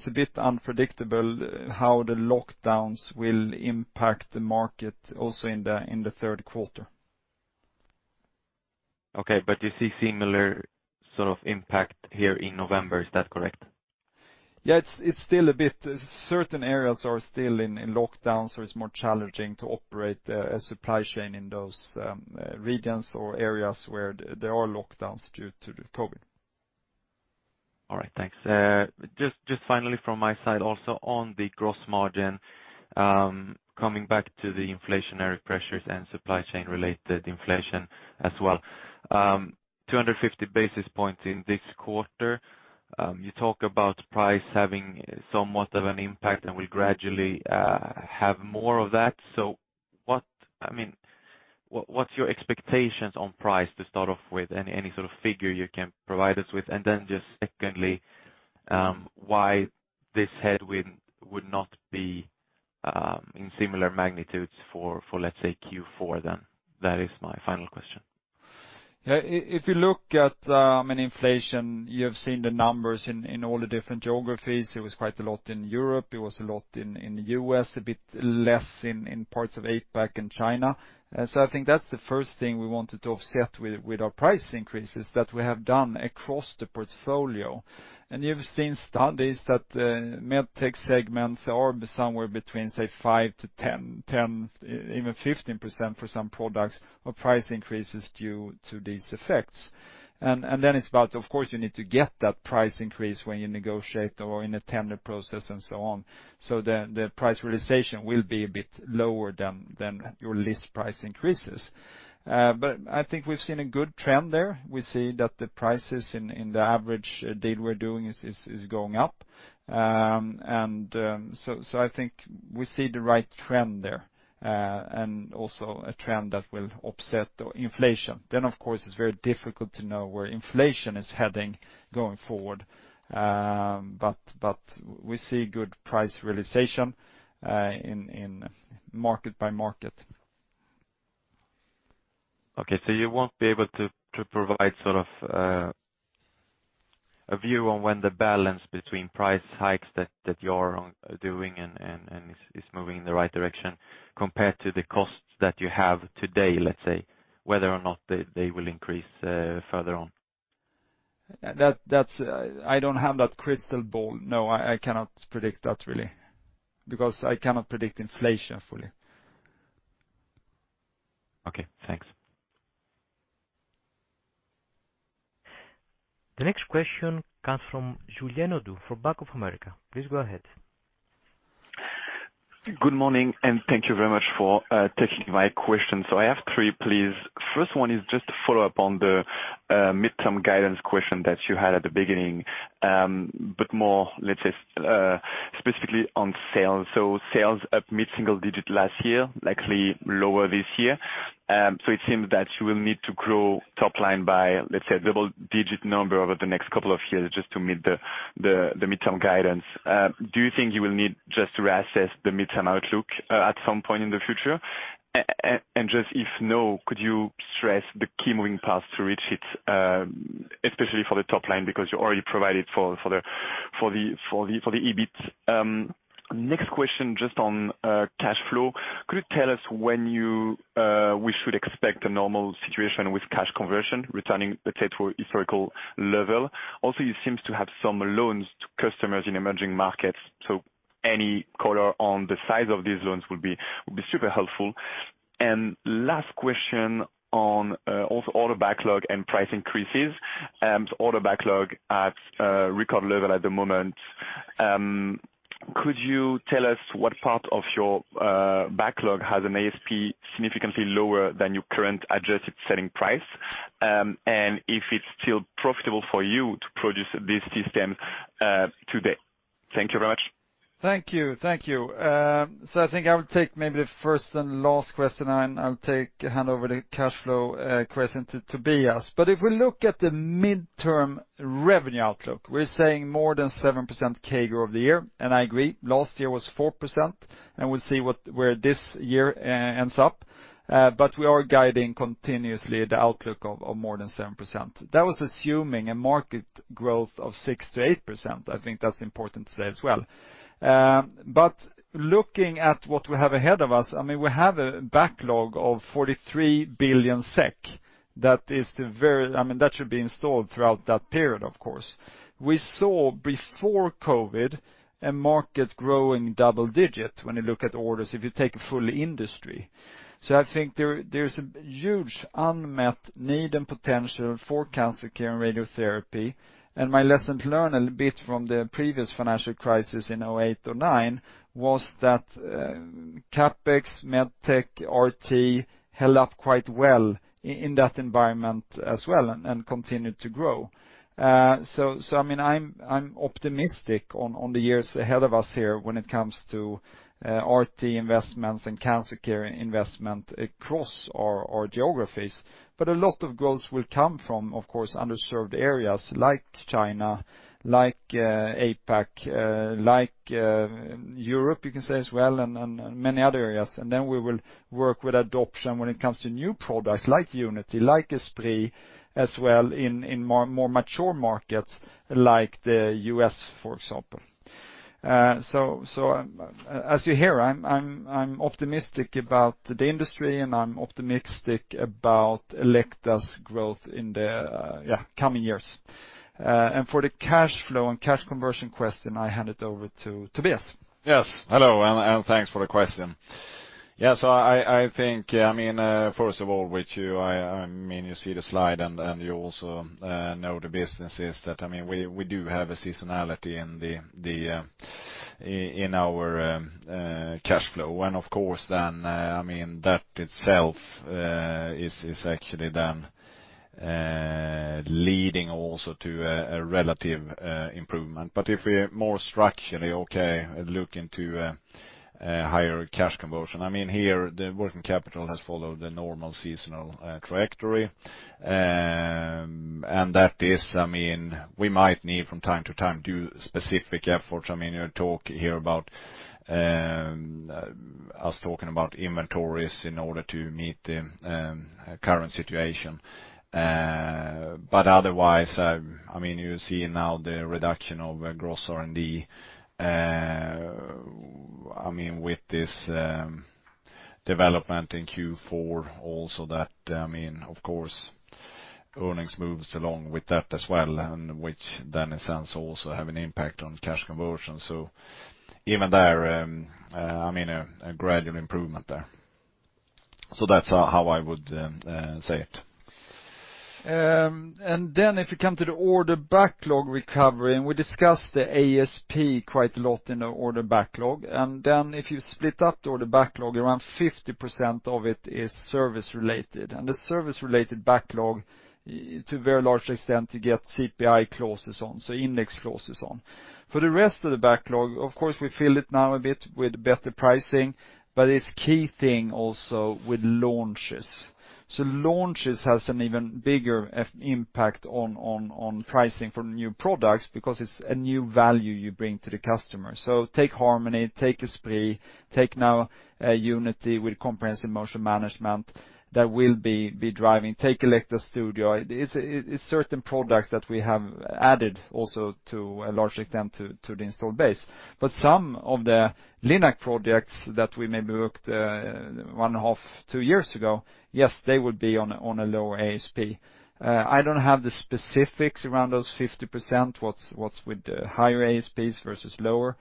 [SPEAKER 2] a bit unpredictable how the lockdowns will impact the market also in the third quarter.
[SPEAKER 9] Okay, you see similar sort of impact here in November. Is that correct?
[SPEAKER 2] Yeah. It's still a bit. Certain areas are still in lockdown, so it's more challenging to operate a supply chain in those regions or areas where there are lockdowns due to the COVID.
[SPEAKER 9] All right, thanks. Just finally from my side also on the gross margin, coming back to the inflationary pressures and supply chain-related inflation as well. 250 basis points in this quarter. You talk about price having somewhat of an impact, and we gradually have more of that. I mean, what's your expectations on price to start off with? Any sort of figure you can provide us with? Just secondly, why this headwind would not be in similar magnitudes for, let's say, Q4 then? That is my final question.
[SPEAKER 2] Yeah. If you look at an inflation, you have seen the numbers in all the different geographies. It was quite a lot in Europe. It was a lot in the U.S., a bit less in parts of APAC and China. So I think that's the first thing we wanted to offset with our price increases that we have done across the portfolio. You've seen studies that med tech segments are somewhere between, say, 5%-10%, even 15% for some products of price increases due to these effects. Then it's about, of course, you need to get that price increase when you negotiate or in a tender process and so on. The price realization will be a bit lower than your list price increases. I think we've seen a good trend there. We see that the prices in the average deal we're doing is going up. I think we see the right trend there. Also a trend that will offset inflation. Of course, it's very difficult to know where inflation is heading going forward. We see good price realization in market by market.
[SPEAKER 9] You won't be able to provide sort of, a view on when the balance between price hikes that you're doing and is moving in the right direction compared to the costs that you have today, let's say, whether or not they will increase further on.
[SPEAKER 2] I don't have that crystal ball. I cannot predict that really, because I cannot predict inflation fully.
[SPEAKER 9] Okay, thanks.
[SPEAKER 4] The next question comes from Julien Ouaddour for Bank of America. Please go ahead.
[SPEAKER 10] Good morning. Thank you very much for taking my question. I have three, please. First one is just to follow up on the midterm guidance question that you had at the beginning, but more, let's say, specifically on sales. Sales up mid-single-digit last year, likely lower this year. It seems that you will need to grow top line by, let's say, double-digit number over the next couple of years just to meet the midterm guidance. Do you think you will need just to reassess the midterm outlook at some point in the future? Just if no, could you stress the key moving parts to reach it, especially for the top line, because you already provided for the EBIT? Next question, just on cash flow. Could you tell us when you, we should expect a normal situation with cash conversion returning, let's say, to a historical level? You seems to have some loans to customers in emerging markets, so any color on the size of these loans would be super helpful. Last question on, also order backlog and price increases. Order backlog at a record level at the moment. Could you tell us what part of your backlog has an ASP significantly lower than your current adjusted selling price? If it's still profitable for you to produce this system today? Thank you very much.
[SPEAKER 2] Thank you. Thank you. I think I would take maybe the first and last question, and I'll hand over the cash flow question to Tobias. If we look at the midterm revenue outlook, we're saying more than 7% CAGR over the year, and I agree. Last year was 4%, and we'll see where this year ends up. We are guiding continuously the outlook of more than 7%. That was assuming a market growth of 6%-8%. I think that's important to say as well. Looking at what we have ahead of us, I mean, we have a backlog of 43 billion SEK. That is the very I mean, that should be installed throughout that period, of course. We saw before COVID a market growing double digits when you look at orders, if you take a full industry. I think there's a huge unmet need and potential for cancer care and radiotherapy. My lesson to learn a little bit from the previous financial crisis in 2008, 2009 was that CapEx, Medtech, RT held up quite well in that environment as well and continued to grow. I mean, I'm optimistic on the years ahead of us here when it comes to RT investments and cancer care investment across our geographies. A lot of growth will come from, of course, underserved areas like China, like APAC, like Europe, you can say as well, and many other areas. We will work with adoption when it comes to new products like Unity, like Esprit, as well in more mature markets like the U.S., for example. As you hear, I'm optimistic about the industry, and I'm optimistic about Elekta's growth in the coming years. For the cash flow and cash conversion question, I hand it over to Tobias.
[SPEAKER 3] Yes. Hello, and thanks for the question. I think, I mean, you see the slide and you also know the businesses that, I mean, we do have a seasonality in our cash flow. Of course, that itself is actually leading also to a relative improvement. If we're more structurally okay, look into a higher cash conversion. Here, the net working capital has followed the normal seasonal trajectory. That is, we might need from time to time do specific efforts. You talk here about us talking about inventories in order to meet the current situation. Otherwise, I mean, you see now the reduction of gross R&D. I mean, with this development in Q4 also that, I mean, of course, earnings moves along with that as well, and which then in a sense also have an impact on cash conversion. Even there, I mean, a gradual improvement there. That's how I would say it.
[SPEAKER 2] If you come to the order backlog recovery, we discussed the ASP quite a lot in the order backlog. If you split up the order backlog, around 50% of it is service-related. The service-related backlog, to a very large extent, you get CPI clauses on, so index clauses on. For the rest of the backlog, of course, we fill it now a bit with better pricing, but it's key thing also with launches. Launches has an even bigger impact on pricing for new products because it's a new value you bring to the customer. Take Harmony, take Esprit, take now Unity with Comprehensive Motion Management that will be driving. Take Elekta Studio. It's certain products that we have added also to a large extent to the installed base. Some of the Linac projects that we maybe worked, one and a half, two years ago, yes, they would be on a, on a lower ASP. I don't have the specifics around those 50%, what's with the higher ASPs versus lower.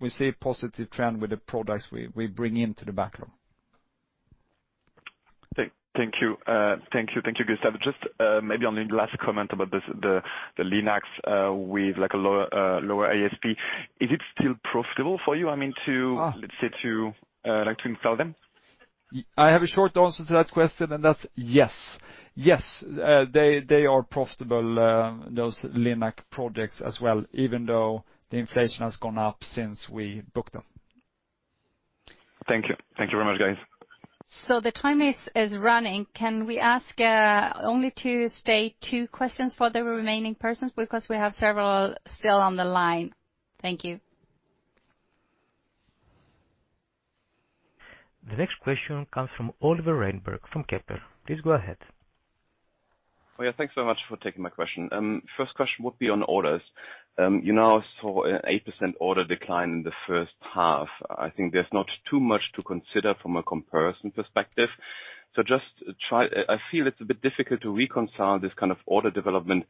[SPEAKER 2] We see a positive trend with the products we bring into the backlog.
[SPEAKER 10] Thank you. Thank you. Thank you, Gustaf. Just maybe only the last comment about the Linac with like a lower ASP. Is it still profitable for you, I mean, to.
[SPEAKER 2] Ah.
[SPEAKER 10] Let's say to, like to install them?
[SPEAKER 2] I have a short answer to that question, and that's yes. Yes, they are profitable, those Linac projects as well, even though the inflation has gone up since we booked them.
[SPEAKER 10] Thank you. Thank you very much, guys.
[SPEAKER 4] The time is running. Can we ask only to stay two questions for the remaining persons because we have several still on the line. Thank you. The next question comes from Oliver Reinberg from Kepler. Please go ahead.
[SPEAKER 11] Oh, yeah, thanks so much for taking my question. First question would be on orders. You now saw an 8% order decline in the first half. I think there's not too much to consider from a comparison perspective. I feel it's a bit difficult to reconcile this kind of order development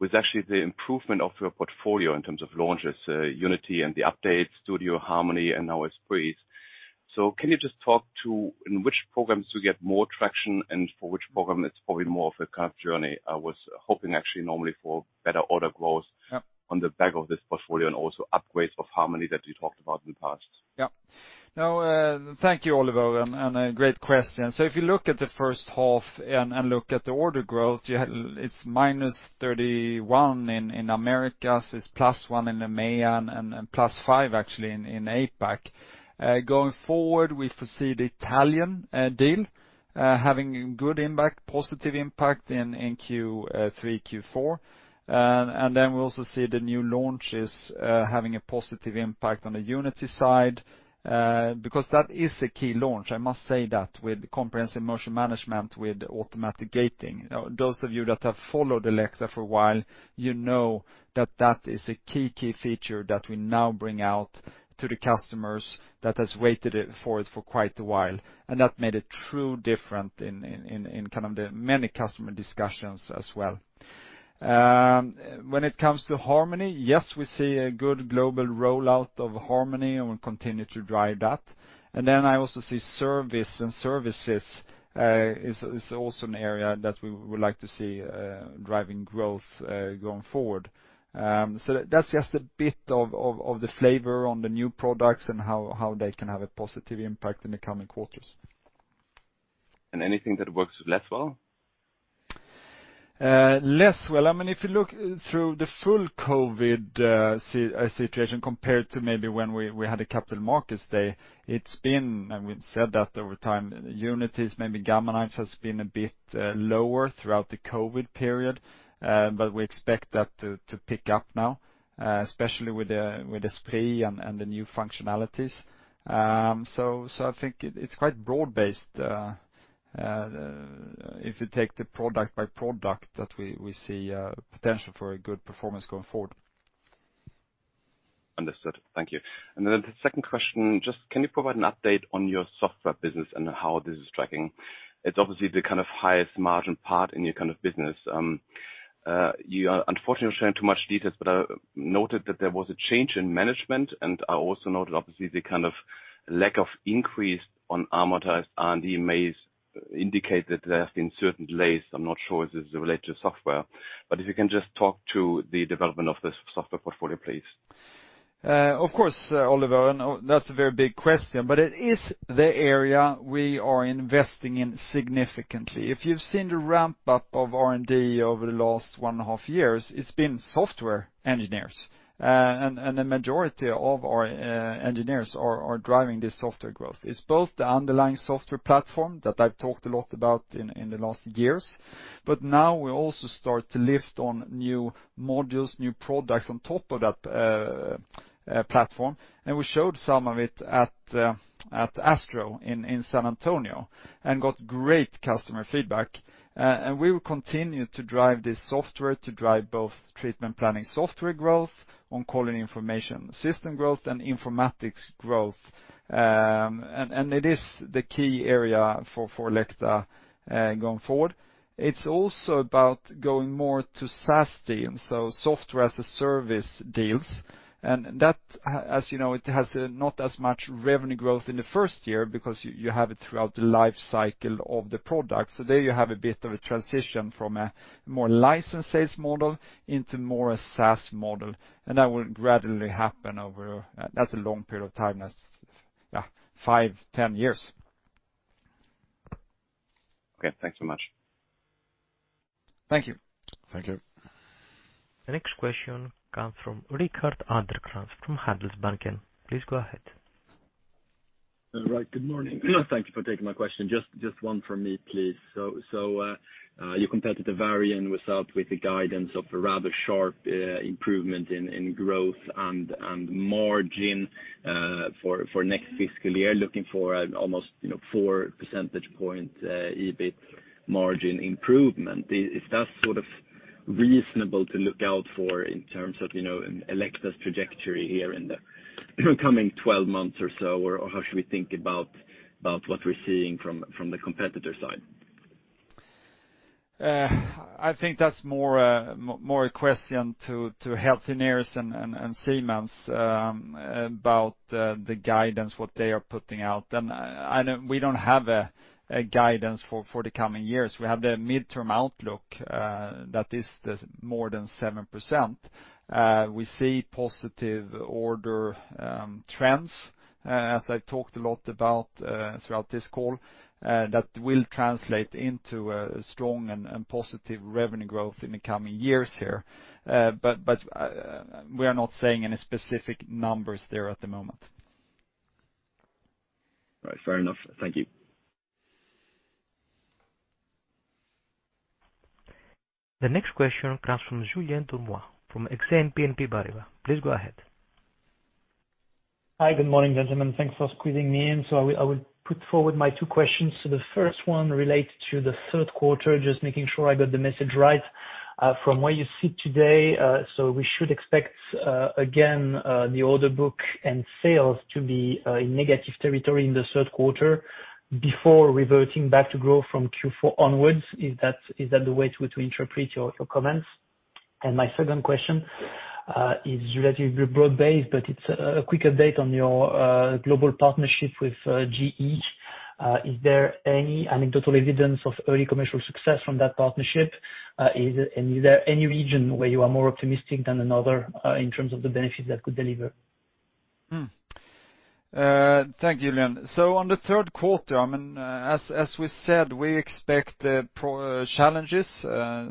[SPEAKER 11] with actually the improvement of your portfolio in terms of launches, Unity and the updates, Studio, Harmony, and now Esprit. Can you just talk to in which programs do you get more traction and for which program it's probably more of a kind of journey? I was hoping actually normally for better order growth.
[SPEAKER 2] Yeah.
[SPEAKER 11] On the back of this portfolio and also upgrades of Harmony that you talked about in the past.
[SPEAKER 2] Yeah. No, thank you, Oliver, and a great question. If you look at the first half and look at the order growth, it's -31% in Americas, it's +1% in the MEA, and +5% actually in APAC. Going forward, we foresee the Italian deal having good impact, positive impact in Q3, Q4. Then we also see the new launches having a positive impact on the Unity side, because that is a key launch, I must say that, with Comprehensive Motion Management, with Automatic Gating. Those of you that have followed Elekta for a while, you know that that is a key feature that we now bring out to the customers that has waited it, for it for quite a while. That made a true difference in kind of the many customer discussions as well. When it comes to Harmony, yes, we see a good global rollout of Harmony, and we continue to drive that. Then I also see service and services is also an area that we would like to see driving growth going forward. That's just a bit of the flavor on the new products and how they can have a positive impact in the coming quarters.
[SPEAKER 11] Anything that works less well?
[SPEAKER 2] Less. Well, I mean, if you look through the full COVID situation compared to maybe when we had a Capital Markets Day, we said that over time, units, maybe Gamma Knife has been a bit lower throughout the COVID period. We expect that to pick up now, especially with the Esprit and the new functionalities. I think it's quite broad-based, if you take the product by product that we see potential for a good performance going forward.
[SPEAKER 11] Understood. Thank you. Then the second question, just can you provide an update on your software business and how this is tracking? It's obviously the kind of highest margin part in your kind of business. You are unfortunately not sharing too much details, but I noted that there was a change in management, and I also noted obviously the kind of lack of increase on amortized R&D may indicate that there have been certain delays. I'm not sure if this is related to software. If you can just talk to the development of the software portfolio, please.
[SPEAKER 2] Of course, Oliver, that's a very big question. It is the area we are investing in significantly. If you've seen the ramp-up of R&D over the last 1.5 years, it's been software engineers. The majority of our engineers are driving this software growth. It's both the underlying software platform that I've talked a lot about in the last years, but now we also start to lift on new modules, new products on top of that platform. We showed some of it at ASTRO in San Antonio and got great customer feedback. We will continue to drive this software to drive both treatment planning software growth on quality information system growth and informatics growth. It is the key area for Elekta going forward. It's also about going more to SaaS deals, so software as a service deals. That, as you know, it has not as much revenue growth in the first year because you have it throughout the life cycle of the product. There you have a bit of a transition from a more license sales model into more a SaaS model, and that will gradually happen over, that's a long period of time, that's, yeah, five, 10 years.
[SPEAKER 11] Okay, thanks so much.
[SPEAKER 2] Thank you.
[SPEAKER 11] Thank you.
[SPEAKER 4] The next question comes from Rickard Aderkrans from Handelsbanken. Please go ahead.
[SPEAKER 12] All right. Good morning. Thank you for taking my question. Just one for me, please. Your competitor Varian was out with the guidance of a rather sharp improvement in growth and margin for next fiscal year, looking for an almost, you know, four percentage point EBIT margin improvement. Is that sort of reasonable to look out for in terms of, you know, Elekta's trajectory here in the coming 12 months or so? How should we think about what we're seeing from the competitor side?
[SPEAKER 2] I think that's more, more a question to Healthineers and Siemens, about the guidance, what they are putting out there. I don't, we don't have a guidance for the coming years. We have the midterm outlook, that is the more than 7%. We see positive order trends, as I talked a lot about, throughout this call, that will translate into a strong and positive revenue growth in the coming years here. We are not saying any specific numbers there at the moment.
[SPEAKER 12] All right. Fair enough. Thank you.
[SPEAKER 4] The next question comes from Julien Dormois from Exane BNP Paribas. Please go ahead.
[SPEAKER 13] Hi. Good morning, gentlemen. Thanks for squeezing me in. I will put forward my two questions. The first one relates to the third quarter, just making sure I got the message right. From where you sit today, we should expect again the order book and sales to be in negative territory in the third quarter before reverting back to growth from Q4 onwards. Is that the way to interpret your comments? My second question is relatively broad-based, but it's a quick update on your global partnership with GE. Is there any, I mean, total evidence of early commercial success from that partnership? Is there any region where you are more optimistic than another in terms of the benefit that could deliver?
[SPEAKER 2] Thank you, Julien. On the third quarter, as we said, we expect the challenges,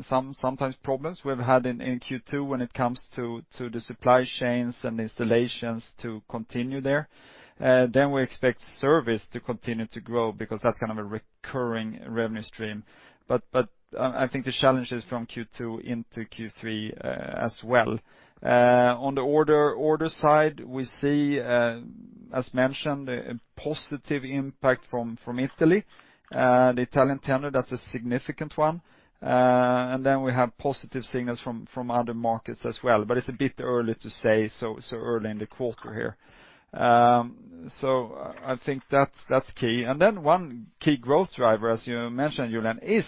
[SPEAKER 2] sometimes problems we've had in Q2 when it comes to the supply chains and installations to continue there. We expect service to continue to grow because that's kind of a recurring revenue stream. I think the challenge is from Q2 into Q3 as well. On the order side, we see, as mentioned, a positive impact from Italy. The Italian tender, that's a significant one. We have positive signals from other markets as well, but it's a bit early to say so early in the quarter here. I think that's key. One key growth driver, as you mentioned, Julien, is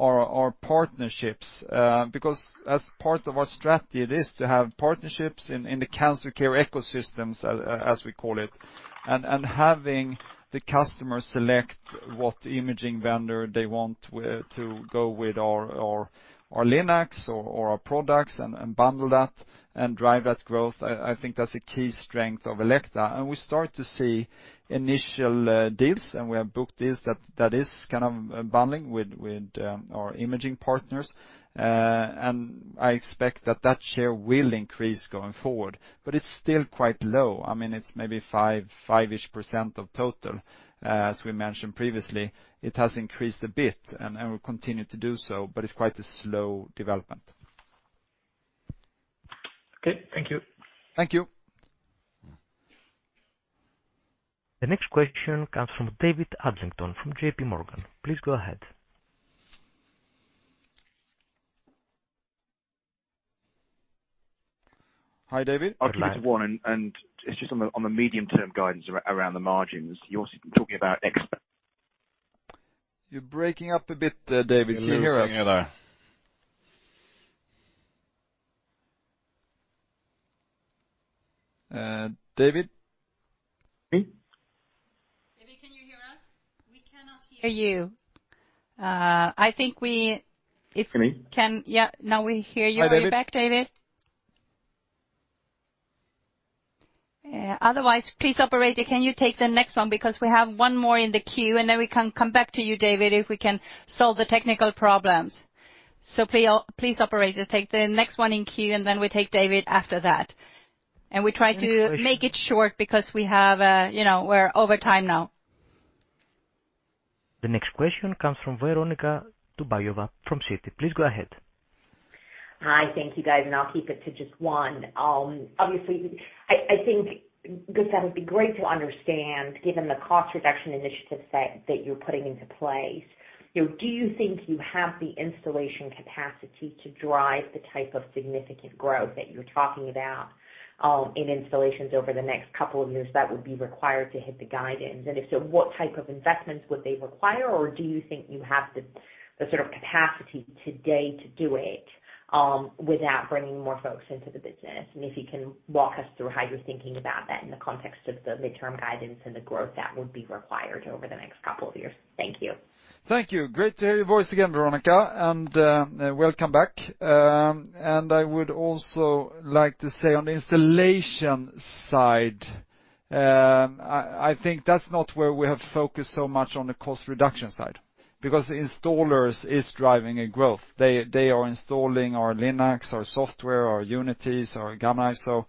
[SPEAKER 2] our partnerships, because as part of our strategy, it is to have partnerships in the cancer care ecosystems, as we call it. Having the customer select what imaging vendor they want to go with our Linac or our products and bundle that and drive that growth. I think that's a key strength of Elekta. We start to see initial deals, and we have booked deals that is kind of bundling with our imaging partners. I expect that share will increase going forward, but it's still quite low. I mean, it's maybe 5-ish% of total. As we mentioned previously, it has increased a bit and will continue to do so, but it's quite a slow development.
[SPEAKER 13] Okay. Thank you.
[SPEAKER 2] Thank you.
[SPEAKER 4] The next question comes from David Adlington from JPMorgan. Please go ahead.
[SPEAKER 2] Hi, David.
[SPEAKER 14] I'd like to warn and, it's just on the, on the medium-term guidance around the margins. You're also talking about ex-
[SPEAKER 2] You're breaking up a bit, David. Can you hear us?
[SPEAKER 1] A little sooner there.
[SPEAKER 2] David?
[SPEAKER 14] Me?
[SPEAKER 1] David, can you hear us? We cannot hear you. I think we.
[SPEAKER 14] Can you hear me?
[SPEAKER 1] Yeah, now we hear you way back, David.
[SPEAKER 2] Hi, David.
[SPEAKER 1] Yeah. Otherwise, please, operator, can you take the next one? Because we have one more in the queue, and then we can come back to you, David, if we can solve the technical problems. Please, operator, take the next one in queue, and then we take David after that. We try to make it short because we have, you know, we're over time now.
[SPEAKER 4] The next question comes from Veronika Dubajova from Citi. Please go ahead.
[SPEAKER 15] Hi. Thank you, guys. I'll keep it to just one. Obviously, I think, Gustaf, that would be great to understand, given the cost reduction initiative set that you're putting into place, you know, do you think you have the installation capacity to drive the type of significant growth that you're talking about, in installations over the next couple of years that would be required to hit the guidance? If so, what type of investments would they require, or do you think you have the sort of capacity today to do it, without bringing more folks into the business? If you can walk us through how you're thinking about that in the context of the midterm guidance and the growth that would be required over the next couple of years. Thank you.
[SPEAKER 2] Thank you. Great to hear your voice again, Veronika, and welcome back. I would also like to say on the installation side, I think that's not where we have focused so much on the cost reduction side because installers is driving a growth. They are installing our Linacs, our software, our Unities, our Gamma Knife.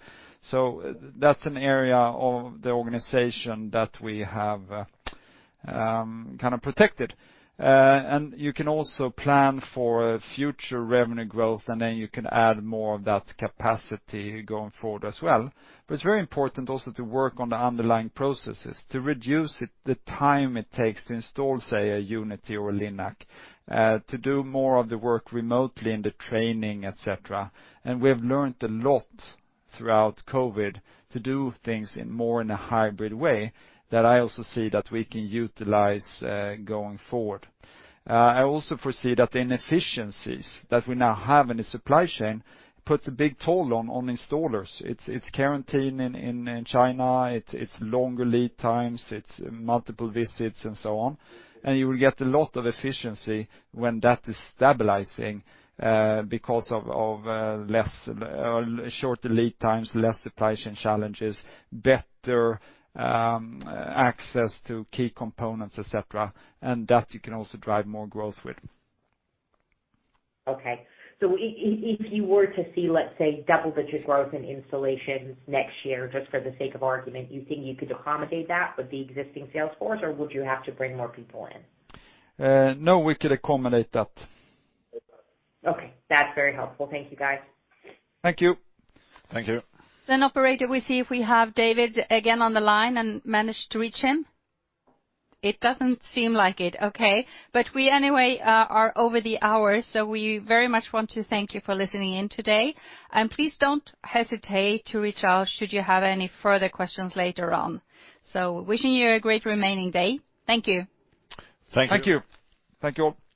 [SPEAKER 2] That's an area of the organization that we have kind of protected. You can also plan for future revenue growth, and then you can add more of that capacity going forward as well. It's very important also to work on the underlying processes to reduce it, the time it takes to install, say, a Unity or a Linac, to do more of the work remotely in the training, etc. We have learned a lot throughout COVID to do things in more in a hybrid way that I also see that we can utilize going forward. I also foresee that the inefficiencies that we now have in the supply chain puts a big toll on installers. It's quarantine in China. It's longer lead times. It's multiple visits and so on. You will get a lot of efficiency when that is stabilizing because of less or shorter lead times, less supply chain challenges, better access to key components, etc. That you can also drive more growth with.
[SPEAKER 15] Okay. If you were to see, let's say, double-digit growth in installations next year, just for the sake of argument, do you think you could accommodate that with the existing sales force, or would you have to bring more people in?
[SPEAKER 2] No, we could accommodate that.
[SPEAKER 15] Okay, that's very helpful. Thank you, guys.
[SPEAKER 2] Thank you.
[SPEAKER 1] Thank you. Operator, we see if we have David again on the line and manage to reach him. It doesn't seem like it. Okay. We anyway are over the hour. We very much want to thank you for listening in today. Please don't hesitate to reach out should you have any further questions later on. Wishing you a great remaining day. Thank you.
[SPEAKER 2] Thank you.
[SPEAKER 1] Thank you.
[SPEAKER 2] Thank you all.